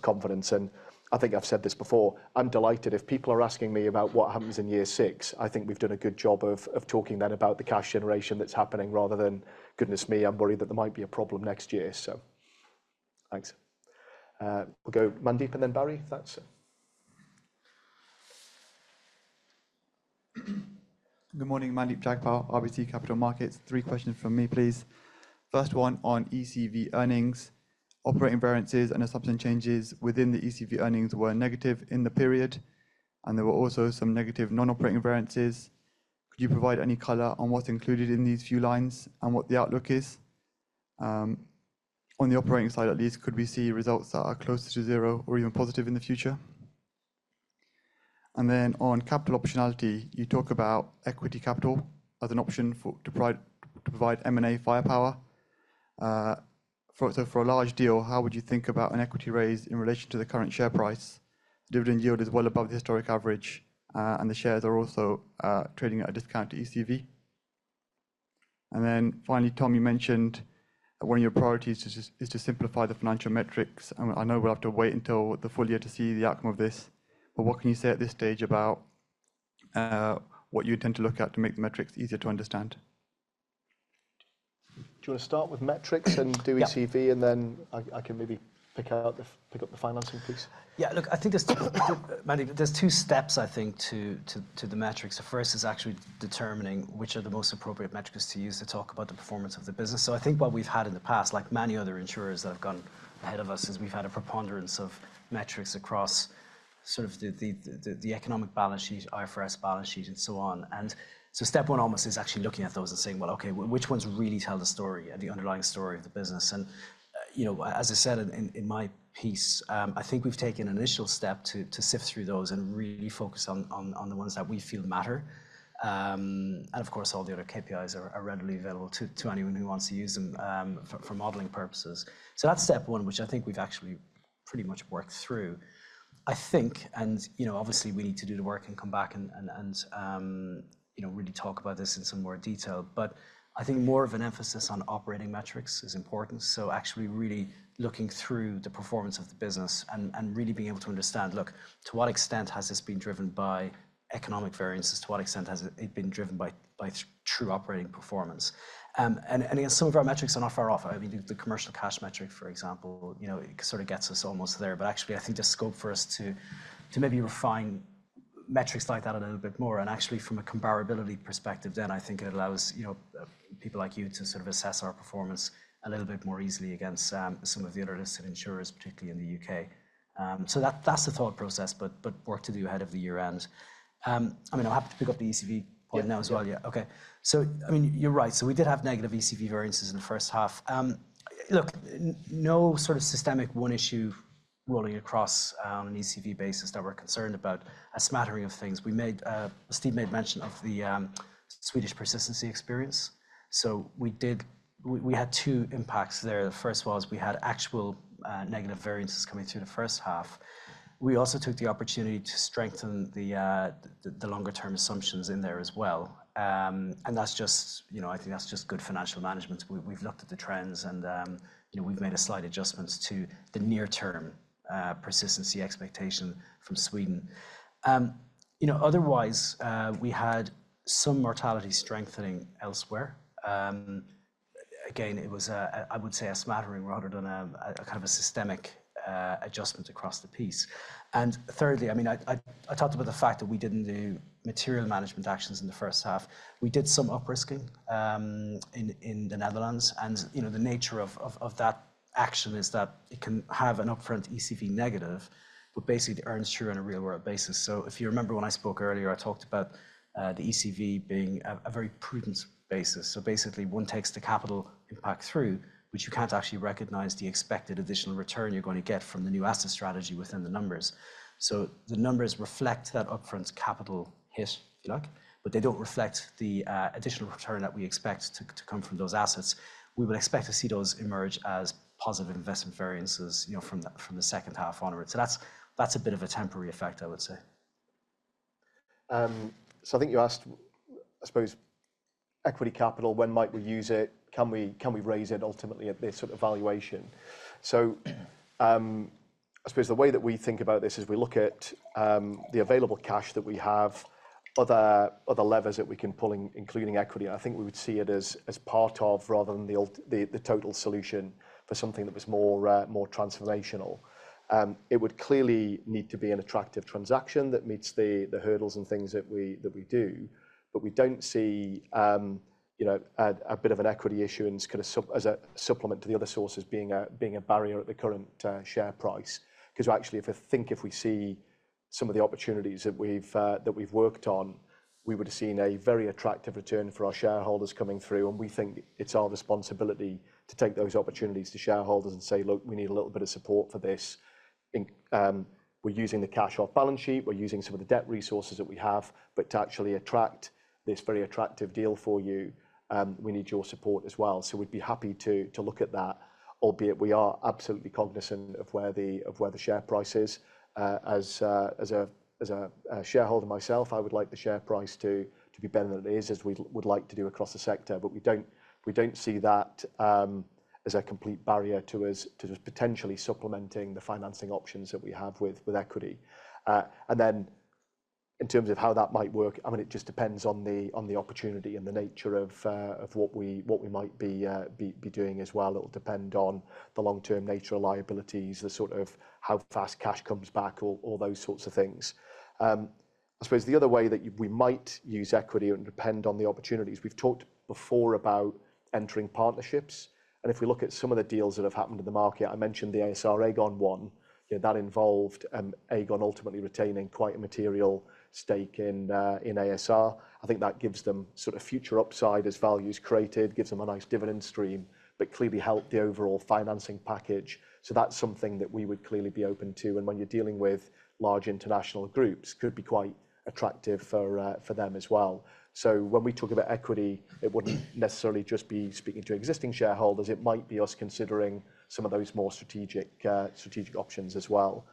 Speaker 1: confidence, and I think I've said this before. I'm delighted. If people are asking me about what happens in year six, I think we've done a good job of talking then about the cash generation that's happening, rather than, "Goodness me, I'm worried that there might be a problem next year." So thanks. We'll go Mandeep and then Barrie. If that's...
Speaker 4: Good morning, Mandeep Jagpal, RBC Capital Markets. Three questions from me, please. First one, on EcV earnings. Operating variances and the substantive changes within the EcV earnings were negative in the period, and there were also some negative non-operating variances. Could you provide any color on what's included in these few lines and what the outlook is? On the operating side, at least, could we see results that are closer to zero or even positive in the future? And then on capital optionality, you talk about equity capital as an option for to provide M&A firepower. So for a large deal, how would you think about an equity raise in relation to the current share price? Dividend yield is well above the historic average, and the shares are also trading at a discount to EcV. Then finally, Tom, you mentioned that one of your priorities is just to simplify the financial metrics. I know we'll have to wait until the full-year to see the outcome of this, but what can you say at this stage about what you intend to look at to make the metrics easier to understand?
Speaker 1: Do you want to start with metrics?
Speaker 2: Yeah.
Speaker 1: And do EcV, and then I can maybe pick up the financing, please?
Speaker 2: Yeah, look, I think there's Mandeep, there's two steps, I think, to the metrics. The first is actually determining which are the most appropriate metrics to use to talk about the performance of the business. So I think what we've had in the past, like many other insurers that have gone ahead of us, is we've had a preponderance of metrics across sort of the economic balance sheet, IFRS balance sheet, and so on. And so step one almost is actually looking at those and saying, "Well, okay, which ones really tell the story, the underlying story of the business?" And, you know, as I said in my piece, I think we've taken an initial step to sift through those and really focus on the ones that we feel matter. And of course, all the other KPIs are readily available to anyone who wants to use them for modeling purposes. So that's step one, which I think we've actually pretty much worked through. I think, and you know, obviously we need to do the work and come back and really talk about this in some more detail. But I think more of an emphasis on operating metrics is important, so actually really looking through the performance of the business and really being able to understand, look, to what extent has this been driven by economic variances? To what extent has it been driven by true operating performance? And again, some of our metrics are not far off. I mean, the commercial cash metric, for example, you know, it sort of gets us almost there. But actually, I think there's scope for us to maybe refine metrics like that a little bit more. And actually, from a comparability perspective, then I think it allows, you know, people like you to sort of assess our performance a little bit more easily against some of the other listed insurers, particularly in the UK. So that's the thought process, but work to do ahead of the year end. I mean, I'm happy to pick up the EcV point now as well.
Speaker 1: Yeah.
Speaker 2: Yeah, okay. So I mean, you're right. So we did have negative EcV variances in the H1. Look, no sort of systemic one issue rolling across, an EcV basis that we're concerned about. A smattering of things. We made. Steve made mention of the Swedish persistency experience. So we did. We had two impacts there. The first was we had actual negative variances coming through the H1. We also took the opportunity to strengthen the longer term assumptions in there as well, and that's just, you know, I think that's just good financial management. We've looked at the trends and, you know, we've made a slight adjustment to the near term persistency expectation from Sweden. You know, otherwise, we had some mortality strengthening elsewhere. Again, it was a smattering rather than a kind of systemic adjustment across the piece. And thirdly, I mean, I talked about the fact that we didn't do material management actions in the H1. We did some uprisking in the Netherlands, and you know, the nature of that action is that it can have an upfront EcV negative, but basically it earns through on a real world basis. So if you remember when I spoke earlier, I talked about the EcV being a very prudent basis. So basically, one takes the capital impact through, which you can't actually recognize the expected additional return you're going to get from the new asset strategy within the numbers. The numbers reflect that upfront capital hit, if you like, but they don't reflect the additional return that we expect to come from those assets. We would expect to see those emerge as positive investment variances, you know, from the H2 onward. That's a bit of a temporary effect, I would say.
Speaker 1: So I think you asked, I suppose, equity capital, when might we use it? Can we, can we raise it ultimately at this sort of valuation? So, I suppose the way that we think about this is we look at, the available cash that we have, other levers that we can pull in, including equity. I think we would see it as, as part of rather than the, the total solution for something that was more, more transformational. It would clearly need to be an attractive transaction that meets the, the hurdles and things that we, that we do, but we don't see, you know, a bit of an equity issue and kind of as a supplement to the other sources being a barrier at the current share price. 'Cause actually, if I think if we see some of the opportunities that we've that we've worked on, we would have seen a very attractive return for our shareholders coming through, and we think it's our responsibility to take those opportunities to shareholders and say, "Look, we need a little bit of support for this. And, we're using the cash off balance sheet, we're using some of the debt resources that we have, but to actually attract this very attractive deal for you, we need your support as well." So we'd be happy to look at that, albeit we are absolutely cognizant of where the share price is. As a shareholder myself, I would like the share price to be better than it is, as we'd like to do across the sector, but we don't see that as a complete barrier to us to just potentially supplementing the financing options that we have with equity. And then in terms of how that might work, I mean, it just depends on the opportunity and the nature of what we might be doing as well. It'll depend on the long-term nature of liabilities, the sort of how fast cash comes back, all those sorts of things. I suppose the other way that we might use equity and depend on the opportunities, we've talked before about entering partnerships, and if we look at some of the deals that have happened in the market, I mentioned the ASR, Aegon one, you know, that involved, Aegon ultimately retaining quite a material stake in, in ASR. I think that gives them sort of future upside as value is created, gives them a nice dividend stream, but clearly helped the overall financing package. So that's something that we would clearly be open to, and when you're dealing with large international groups, could be quite attractive for, for them as well. So when we talk about equity, it wouldn't necessarily just be speaking to existing shareholders, it might be us considering some of those more strategic, strategic options as well.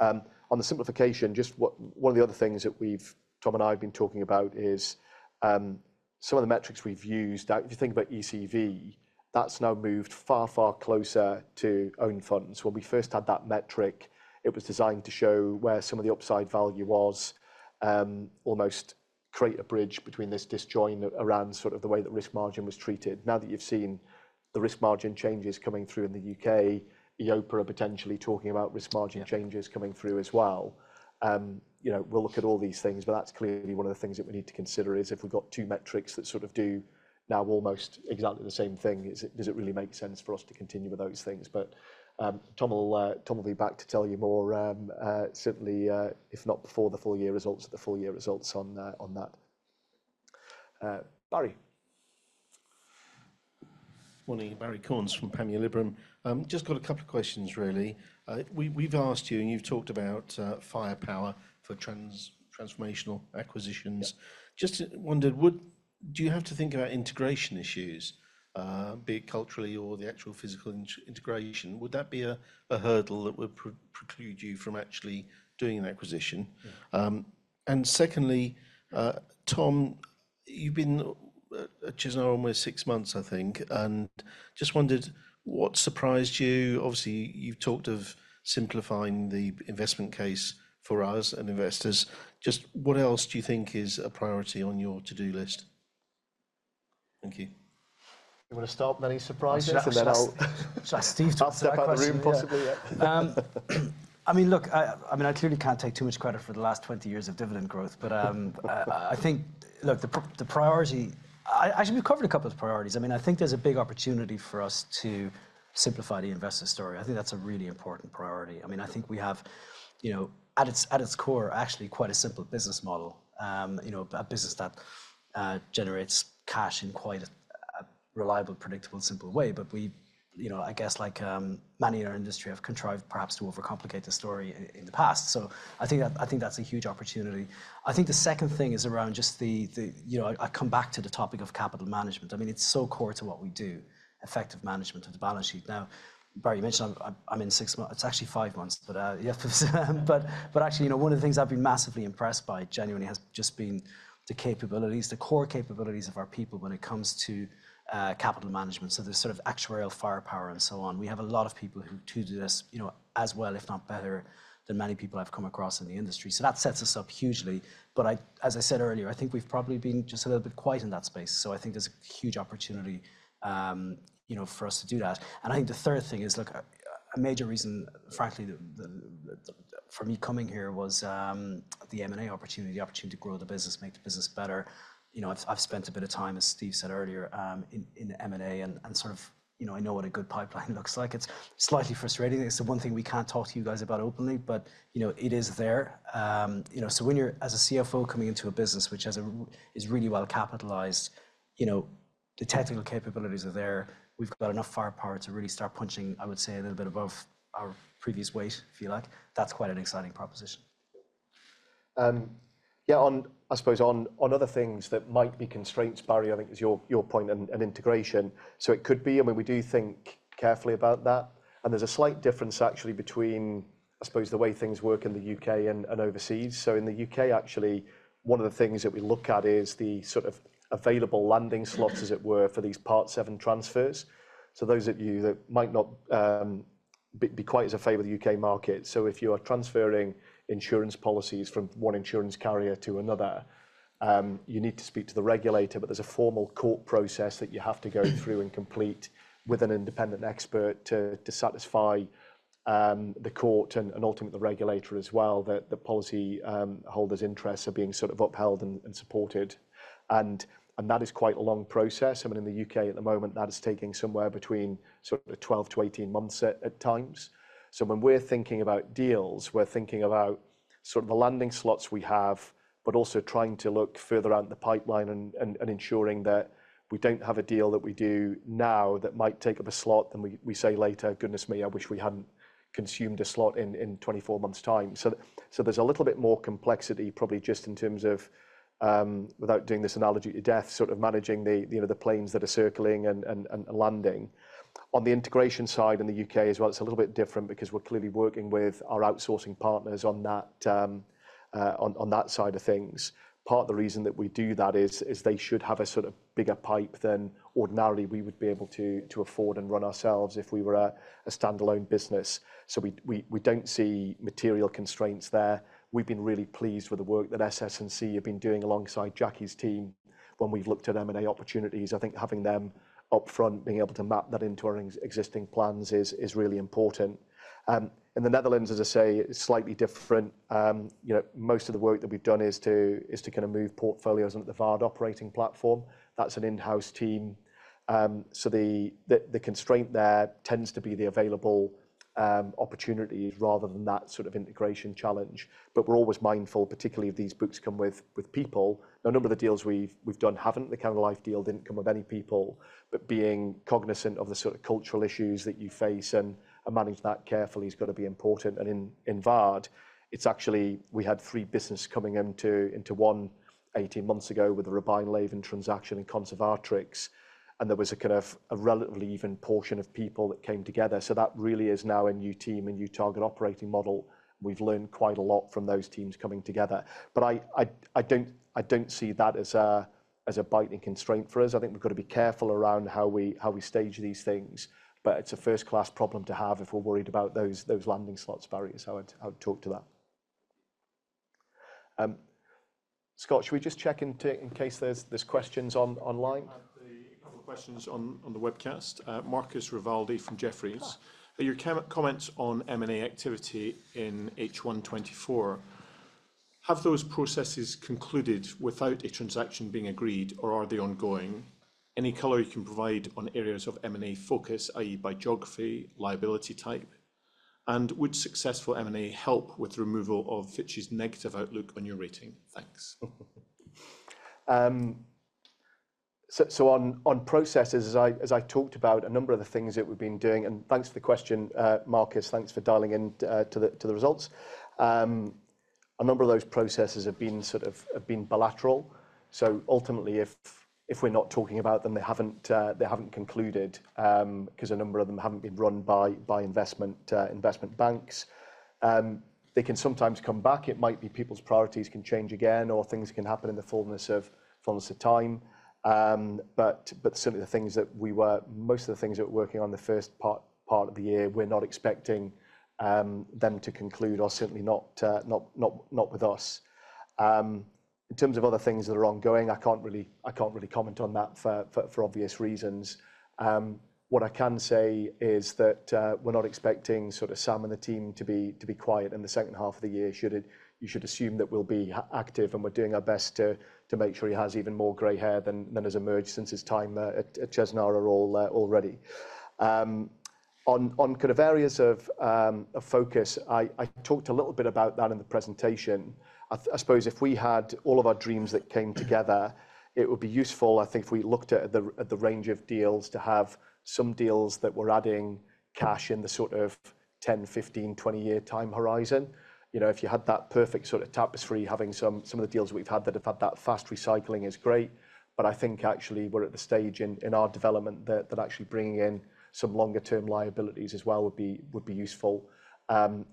Speaker 1: On the simplification, just what... One of the other things that we've, Tom and I have been talking about is some of the metrics we've used. If you think about EcV, that's now moved far, far closer to own funds. When we first had that metric, it was designed to show where some of the upside value was, almost create a bridge between this disjoin around sort of the way that risk margin was treated. Now that you've seen the risk margin changes coming through in the UK, EIOPA are potentially talking about risk margin changes coming through as well. You know, we'll look at all these things, but that's clearly one of the things that we need to consider, is if we've got two metrics that sort of do now almost exactly the same thing, is it - does it really make sense for us to continue with those things? But, Tom will be back to tell you more, certainly, if not before the full-year results, at the full-year results on that. Barrie?
Speaker 5: Morning, Barrie Cornes from Panmure Gordon. Just got a couple of questions, really. We've asked you, and you've talked about firepower for transformational acquisitions.
Speaker 1: Yeah.
Speaker 5: Just wondered, would- do you have to think about integration issues, be it culturally or the actual physical integration? Would that be a hurdle that would preclude you from actually doing an acquisition? And secondly, Tom, you've been at Chesnara almost six months, I think, and just wondered what surprised you. Obviously, you've talked of simplifying the investment case for us and investors. Just what else do you think is a priority on your to-do list? Thank you.
Speaker 2: You want to start? Any surprises?
Speaker 1: I'll start, and then I'll-
Speaker 2: Shall I, Steve, start that question?
Speaker 1: Start back of the room, possibly, yeah.
Speaker 2: I mean, look, I clearly can't take too much credit for the last 20 years of dividend growth, but I think - look, the priority. Actually, we've covered a couple of priorities. I mean, I think there's a big opportunity for us to simplify the investor story. I think that's a really important priority. I mean, I think we have, you know, at its core, actually quite a simple business model. You know, a business that generates cash in quite a reliable, predictable, simple way. But we, you know, I guess like many in our industry, have contrived perhaps to overcomplicate the story in the past, so I think that. I think that's a huge opportunity. I think the second thing is around just the - you know, I come back to the topic of capital management. I mean, it's so core to what we do, effective management of the balance sheet. Now, Barrie, you mentioned I'm in six months. It's actually five months, but yes, but actually, you know, one of the things I've been massively impressed by genuinely has just been the capabilities, the core capabilities of our people when it comes to capital management. So there's sort of actuarial firepower and so on. We have a lot of people who do this, you know, as well, if not better, than many people I've come across in the industry. So that sets us up hugely. But as I said earlier, I think we've probably been just a little bit quiet in that space, so I think there's a huge opportunity, you know, for us to do that. And I think the third thing is, look, a major reason, frankly, for me coming here was the M&A opportunity, the opportunity to grow the business, make the business better. You know, I've spent a bit of time, as Steve said earlier, in M&A and sort of. You know, I know what a good pipeline looks like. It's slightly frustrating. It's the one thing we can't talk to you guys about openly, but, you know, it is there. You know, so when you're, as a CFO, coming into a business which is really well capitalized, you know, the technical capabilities are there. We've got enough firepower to really start punching, I would say, a little bit above our previous weight, if you like. That's quite an exciting proposition.
Speaker 1: Yeah, on, I suppose, on other things that might be constraints, Barrie, I think is your point on integration. So it could be, I mean, we do think carefully about that, and there's a slight difference actually between, I suppose, the way things work in the UK and overseas. So in the UK, actually, one of the things that we look at is the sort of available landing slots, as it were, for these Part VII transfers. So those of you that might not be quite as familiar with the UK market, so if you are transferring insurance policies from one insurance carrier to another, you need to speak to the regulator, but there's a formal court process that you have to go through and complete with an independent expert to satisfy the court and ultimately the regulator as well, that the policyholder's interests are being sort of upheld and supported, and that is quite a long process. I mean, in the UK at the moment, that is taking somewhere between sort of 12 to 18 months at times. So when we're thinking about deals, we're thinking about sort of the landing slots we have, but also trying to look further out in the pipeline and ensuring that we don't have a deal that we do now that might take up a slot, then we say later, 'Goodness me, I wish we hadn't consumed a slot in 24 months' time.' So there's a little bit more complexity, probably just in terms of without doing this analogy to death, sort of managing, you know, the planes that are circling and landing. On the integration side in the UK as well, it's a little bit different because we're clearly working with our outsourcing partners on that, on that side of things. Part of the reason that we do that is they should have a sort of bigger pipe than ordinarily we would be able to afford and run ourselves if we were a standalone business. So we don't see material constraints there. We've been really pleased with the work that SS&C have been doing alongside Jackie's team when we've looked at M&A opportunities. I think having them up front, being able to map that into our existing plans is really important. In the Netherlands, as I say, it's slightly different. You know, most of the work that we've done is to kind of move portfolios onto the Waard operating platform. That's an in-house team. So the constraint there tends to be the available opportunities rather than that sort of integration challenge. But we're always mindful, particularly if these books come with people. A number of the deals we've done haven't. The kind of life deal didn't come with any people. But being cognizant of the sort of cultural issues that you face and manage that carefully has got to be important. And in Waard, it's actually, we had three businesses coming into one 18 months ago with the Robein Leven transaction and Conservatrix, and there was a kind of a relatively even portion of people that came together. So that really is now a new team, a new target operating model. We've learned quite a lot from those teams coming together. But I don't see that as a binding constraint for us. I think we've got to be careful around how we stage these things, but it's a first-class problem to have if we're worried about those landing slots, Barrie, is how I'd talk to that. Scott, should we just check in to in case there's questions online?
Speaker 3: I have a couple of questions on the webcast. Marcus Rivaldi from Jefferies.
Speaker 1: Ah.
Speaker 3: Your comments on M&A activity in H1 2024, have those processes concluded without a transaction being agreed, or are they ongoing? Any color you can provide on areas of M&A focus, i.e., by geography, liability type? And would successful M&A help with removal of Fitch's negative outlook on your rating? Thanks.
Speaker 1: So on processes, as I talked about, a number of the things that we've been doing, and thanks for the question, Marcus. Thanks for dialing in to the results. A number of those processes have been sort of bilateral. So ultimately, if we're not talking about them, they haven't concluded because a number of them haven't been run by investment banks. They can sometimes come back. It might be people's priorities can change again, or things can happen in the fullness of time. But certainly most of the things that we're working on the first part of the year, we're not expecting them to conclude, or certainly not with us. In terms of other things that are ongoing, I can't really comment on that for obvious reasons. What I can say is that we're not expecting sort of Sam and the team to be quiet in the H1 of the year. You should assume that we'll be active, and we're doing our best to make sure he has even more gray hair than has emerged since his time at Chesnara already. On kind of areas of focus, I talked a little bit about that in the presentation. I suppose if we had all of our dreams that came together, it would be useful, I think, if we looked at the range of deals, to have some deals that were adding cash in the sort of ten, fifteen, 20-year time horizon. You know, if you had that perfect sort of tapestry, having some of the deals we've had that have had that fast recycling is great, but I think actually we're at the stage in our development that actually bringing in some longer-term liabilities as well would be useful.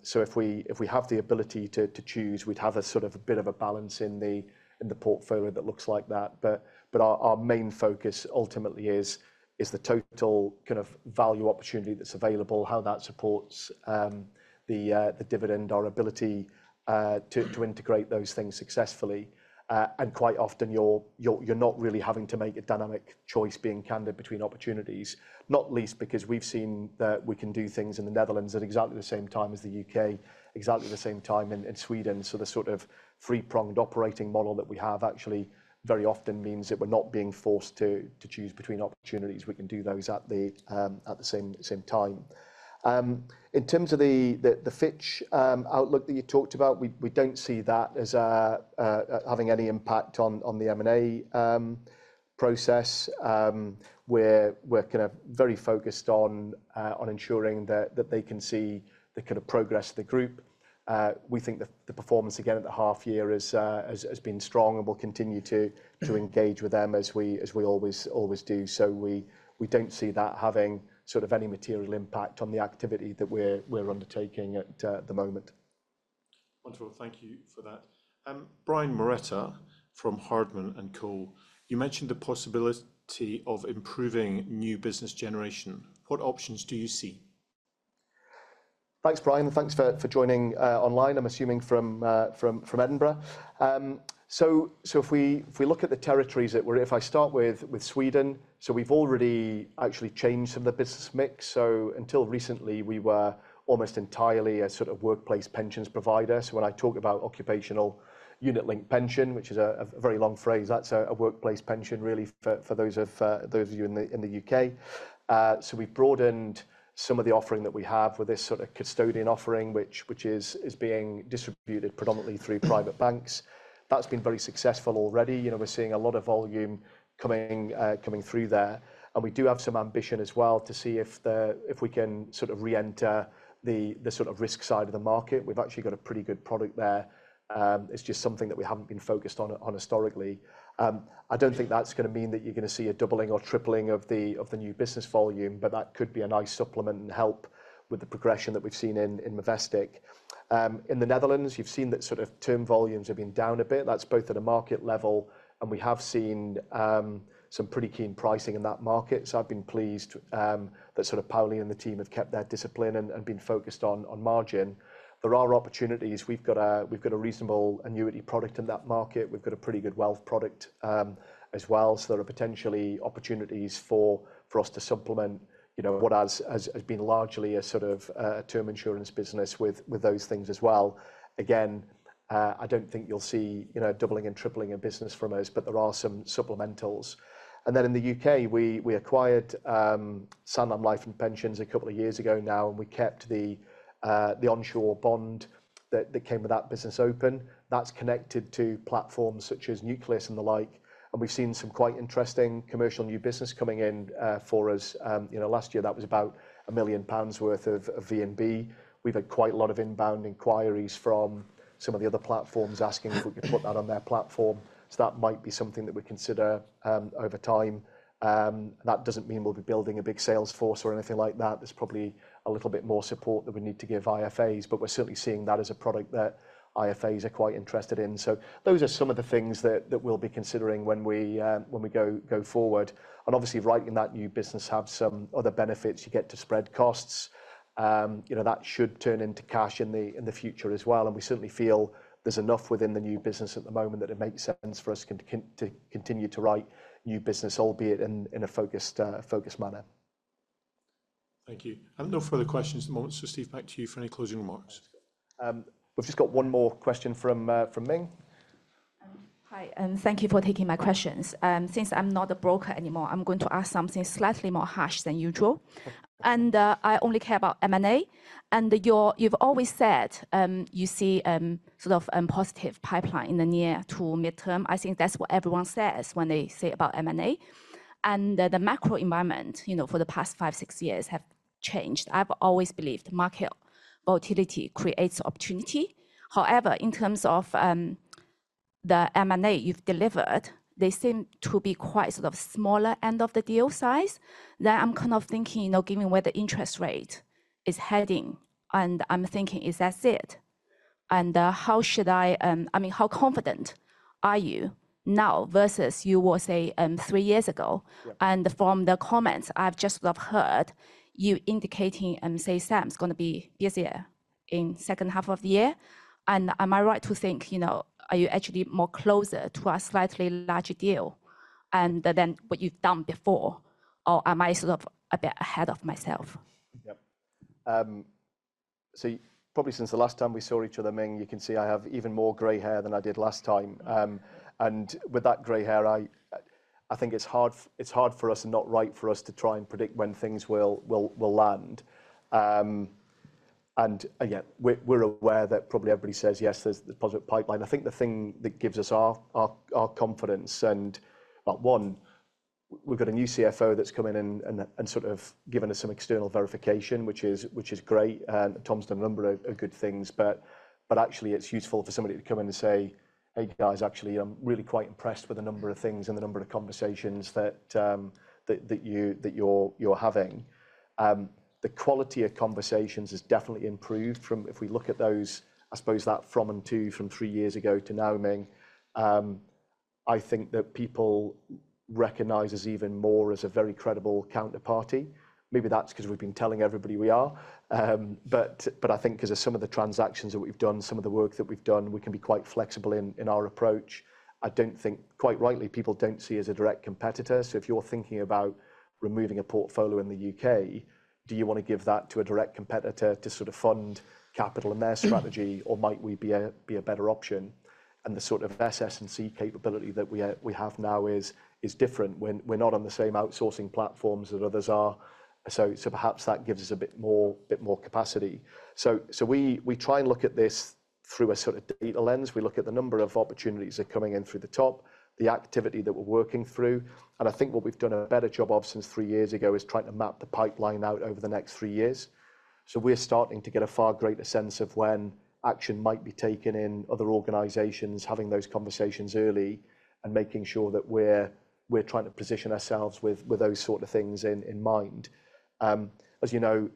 Speaker 1: So if we have the ability to choose, we'd have a sort of a bit of a balance in the portfolio that looks like that. But our main focus ultimately is the total kind of value opportunity that's available, how that supports the dividend, our ability to integrate those things successfully. And quite often you're not really having to make a dynamic choice, being candid between opportunities. Not least because we've seen that we can do things in the Netherlands at exactly the same time as the UK, exactly the same time in Sweden. So the sort of three-pronged operating model that we have actually very often means that we're not being forced to choose between opportunities. We can do those at the same time. In terms of the Fitch outlook that you talked about, we don't see that as having any impact on the M&A process. We're kind of very focused on ensuring that they can see the kind of progress of the group. We think the performance, again, at the half year has been strong, and we'll continue to engage with them as we always do. So we don't see that having sort of any material impact on the activity that we're undertaking at the moment.
Speaker 6: Wonderful. Thank you for that. Brian Moretta from Hardman & Co. You mentioned the possibility of improving new business generation. What options do you see?
Speaker 1: Thanks, Brian. Thanks for joining from Edinburgh. If I start with Sweden, so we've already actually changed some of the business mix. So until recently, we were almost entirely a sort of workplace pensions provider. So when I talk about occupational unit link pension, which is a very long phrase, that's a workplace pension really, for those of you in the UK. So we broadened some of the offering that we have with this sort of custodian offering, which is being distributed predominantly through private banks. That's been very successful already. You know, we're seeing a lot of volume coming coming through there, and we do have some ambition as well to see if we can sort of reenter the sort of risk side of the market. We've actually got a pretty good product there. It's just something that we haven't been focused on historically. I don't think that's gonna mean that you're gonna see a doubling or tripling of the new business volume, but that could be a nice supplement and help with the progression that we've seen in Movestic. In the Netherlands, you've seen that sort of term volumes have been down a bit. That's both at a market level, and we have seen some pretty keen pricing in that market. I've been pleased that sort of Pauli and the team have kept their discipline and been focused on margin. There are opportunities. We've got a reasonable annuity product in that market. We've got a pretty good wealth product as well. There are potentially opportunities for us to supplement, you know, what has been largely a sort of term insurance business with those things as well. Again, I don't think you'll see, you know, doubling and tripling in business from us, but there are some supplementals. Then in the UK, we acquired Sanlam Life and Pensions a couple of years ago now, and we kept the onshore bond that came with that business open. That's connected to platforms such as Nucleus and the like, and we've seen some quite interesting commercial new business coming in for us. You know, last year, that was about 1 million pounds worth of VNB. We've had quite a lot of inbound inquiries from some of the other platforms asking if we could put that on their platform. So that might be something that we consider over time. That doesn't mean we'll be building a big sales force or anything like that. There's probably a little bit more support that we need to give IFAs, but we're certainly seeing that as a product that IFAs are quite interested in. So those are some of the things that we'll be considering when we go forward. And obviously, writing that new business have some other benefits. You get to spread costs. You know, that should turn into cash in the future as well, and we certainly feel there's enough within the new business at the moment that it makes sense for us to continue to write new business, albeit in a focused manner.
Speaker 6: Thank you. I have no further questions at the moment, so, Steve, back to you for any closing remarks.
Speaker 1: We've just got one more question from Ming.
Speaker 3: Hi, and thank you for taking my questions. Since I'm not a broker anymore, I'm going to ask something slightly more harsh than usual. And I only care about M&A, and you've always said you see sort of positive pipeline in the near to midterm. I think that's what everyone says when they say about M&A. And the macro environment, you know, for the past five, six years, have been changed. I've always believed market volatility creates opportunity. However, in terms of the M&A you've delivered, they seem to be quite sort of smaller end of the deal size, that I'm kind of thinking, you know, given where the interest rate is heading, and I'm thinking, is that it? And how should I I mean, how confident are you now versus you were, say, three years ago?
Speaker 1: Right.
Speaker 5: From the comments I've just sort of heard, you indicating, say, Sam, it's gonna be busier in H1 of the year, and am I right to think, you know, are you actually more closer to a slightly larger deal than what you've done before, or am I sort of a bit ahead of myself?
Speaker 1: Yep. So probably since the last time we saw each other, Ming, you can see I have even more gray hair than I did last time. And with that gray hair, I think it's hard for us and not right for us to try and predict when things will land. And, again, we're aware that probably everybody says, "Yes, there's the positive pipeline." I think the thing that gives us our confidence and, well, one, we've got a new CFO that's come in and sort of given us some external verification, which is great. Tom's done a number of good things, but actually it's useful for somebody to come in and say, "Hey, guys, actually, I'm really quite impressed with the number of things and the number of conversations that you're having." The quality of conversations has definitely improved from three years ago to now, Ming. I think that people recognize us even more as a very credible counterparty. Maybe that's 'cause we've been telling everybody we are. But I think 'cause of some of the transactions that we've done, some of the work that we've done, we can be quite flexible in our approach. I don't think. Quite rightly, people don't see us as a direct competitor. So if you're thinking about removing a portfolio in the UK, do you wanna give that to a direct competitor to sort of fund capital and their strategy?
Speaker 5: Mm-hmm.
Speaker 1: or might we be a better option? And the sort of SS&C capability that we have now is different. We're not on the same outsourcing platforms that others are, so perhaps that gives us a bit more capacity. So we try and look at this through a sort of data lens. We look at the number of opportunities that are coming in through the top, the activity that we're working through, and I think what we've done a better job of since three years ago is trying to map the pipeline out over the next three years. So we're starting to get a far greater sense of when action might be taken in other organizations, having those conversations early, and making sure that we're trying to position ourselves with those sort of things in mind. As you know,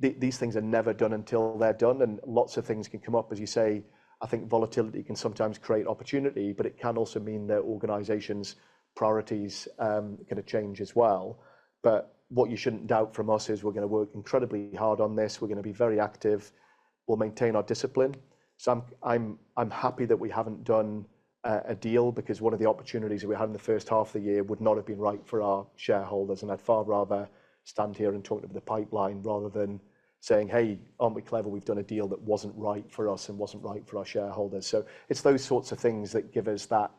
Speaker 1: these things are never done until they're done, and lots of things can come up. As you say, I think volatility can sometimes create opportunity, but it can also mean that organization's priorities kind of change as well. But what you shouldn't doubt from us is we're gonna work incredibly hard on this. We're gonna be very active. We'll maintain our discipline. So I'm happy that we haven't done a deal because one of the opportunities that we had in the H1 of the year would not have been right for our shareholders, and I'd far rather stand here and talk about the pipeline rather than saying, "Hey, aren't we clever? We've done a deal that wasn't right for us and wasn't right for our shareholders." So it's those sorts of things that give us that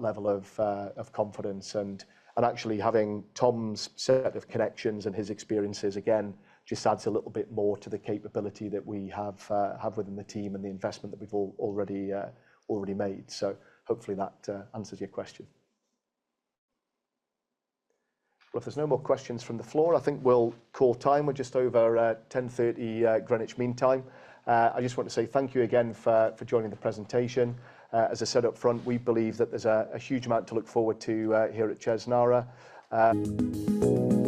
Speaker 1: level of confidence, and actually having Tom's set of connections and his experiences, again, just adds a little bit more to the capability that we have within the team and the investment that we've already made. So hopefully that answers your question. Well, if there's no more questions from the floor, I think we'll call time. We're just over 10:30 A.M. Greenwich Mean Time. I just want to say thank you again for joining the presentation. As I said upfront, we believe that there's a huge amount to look forward to here at Chesnara.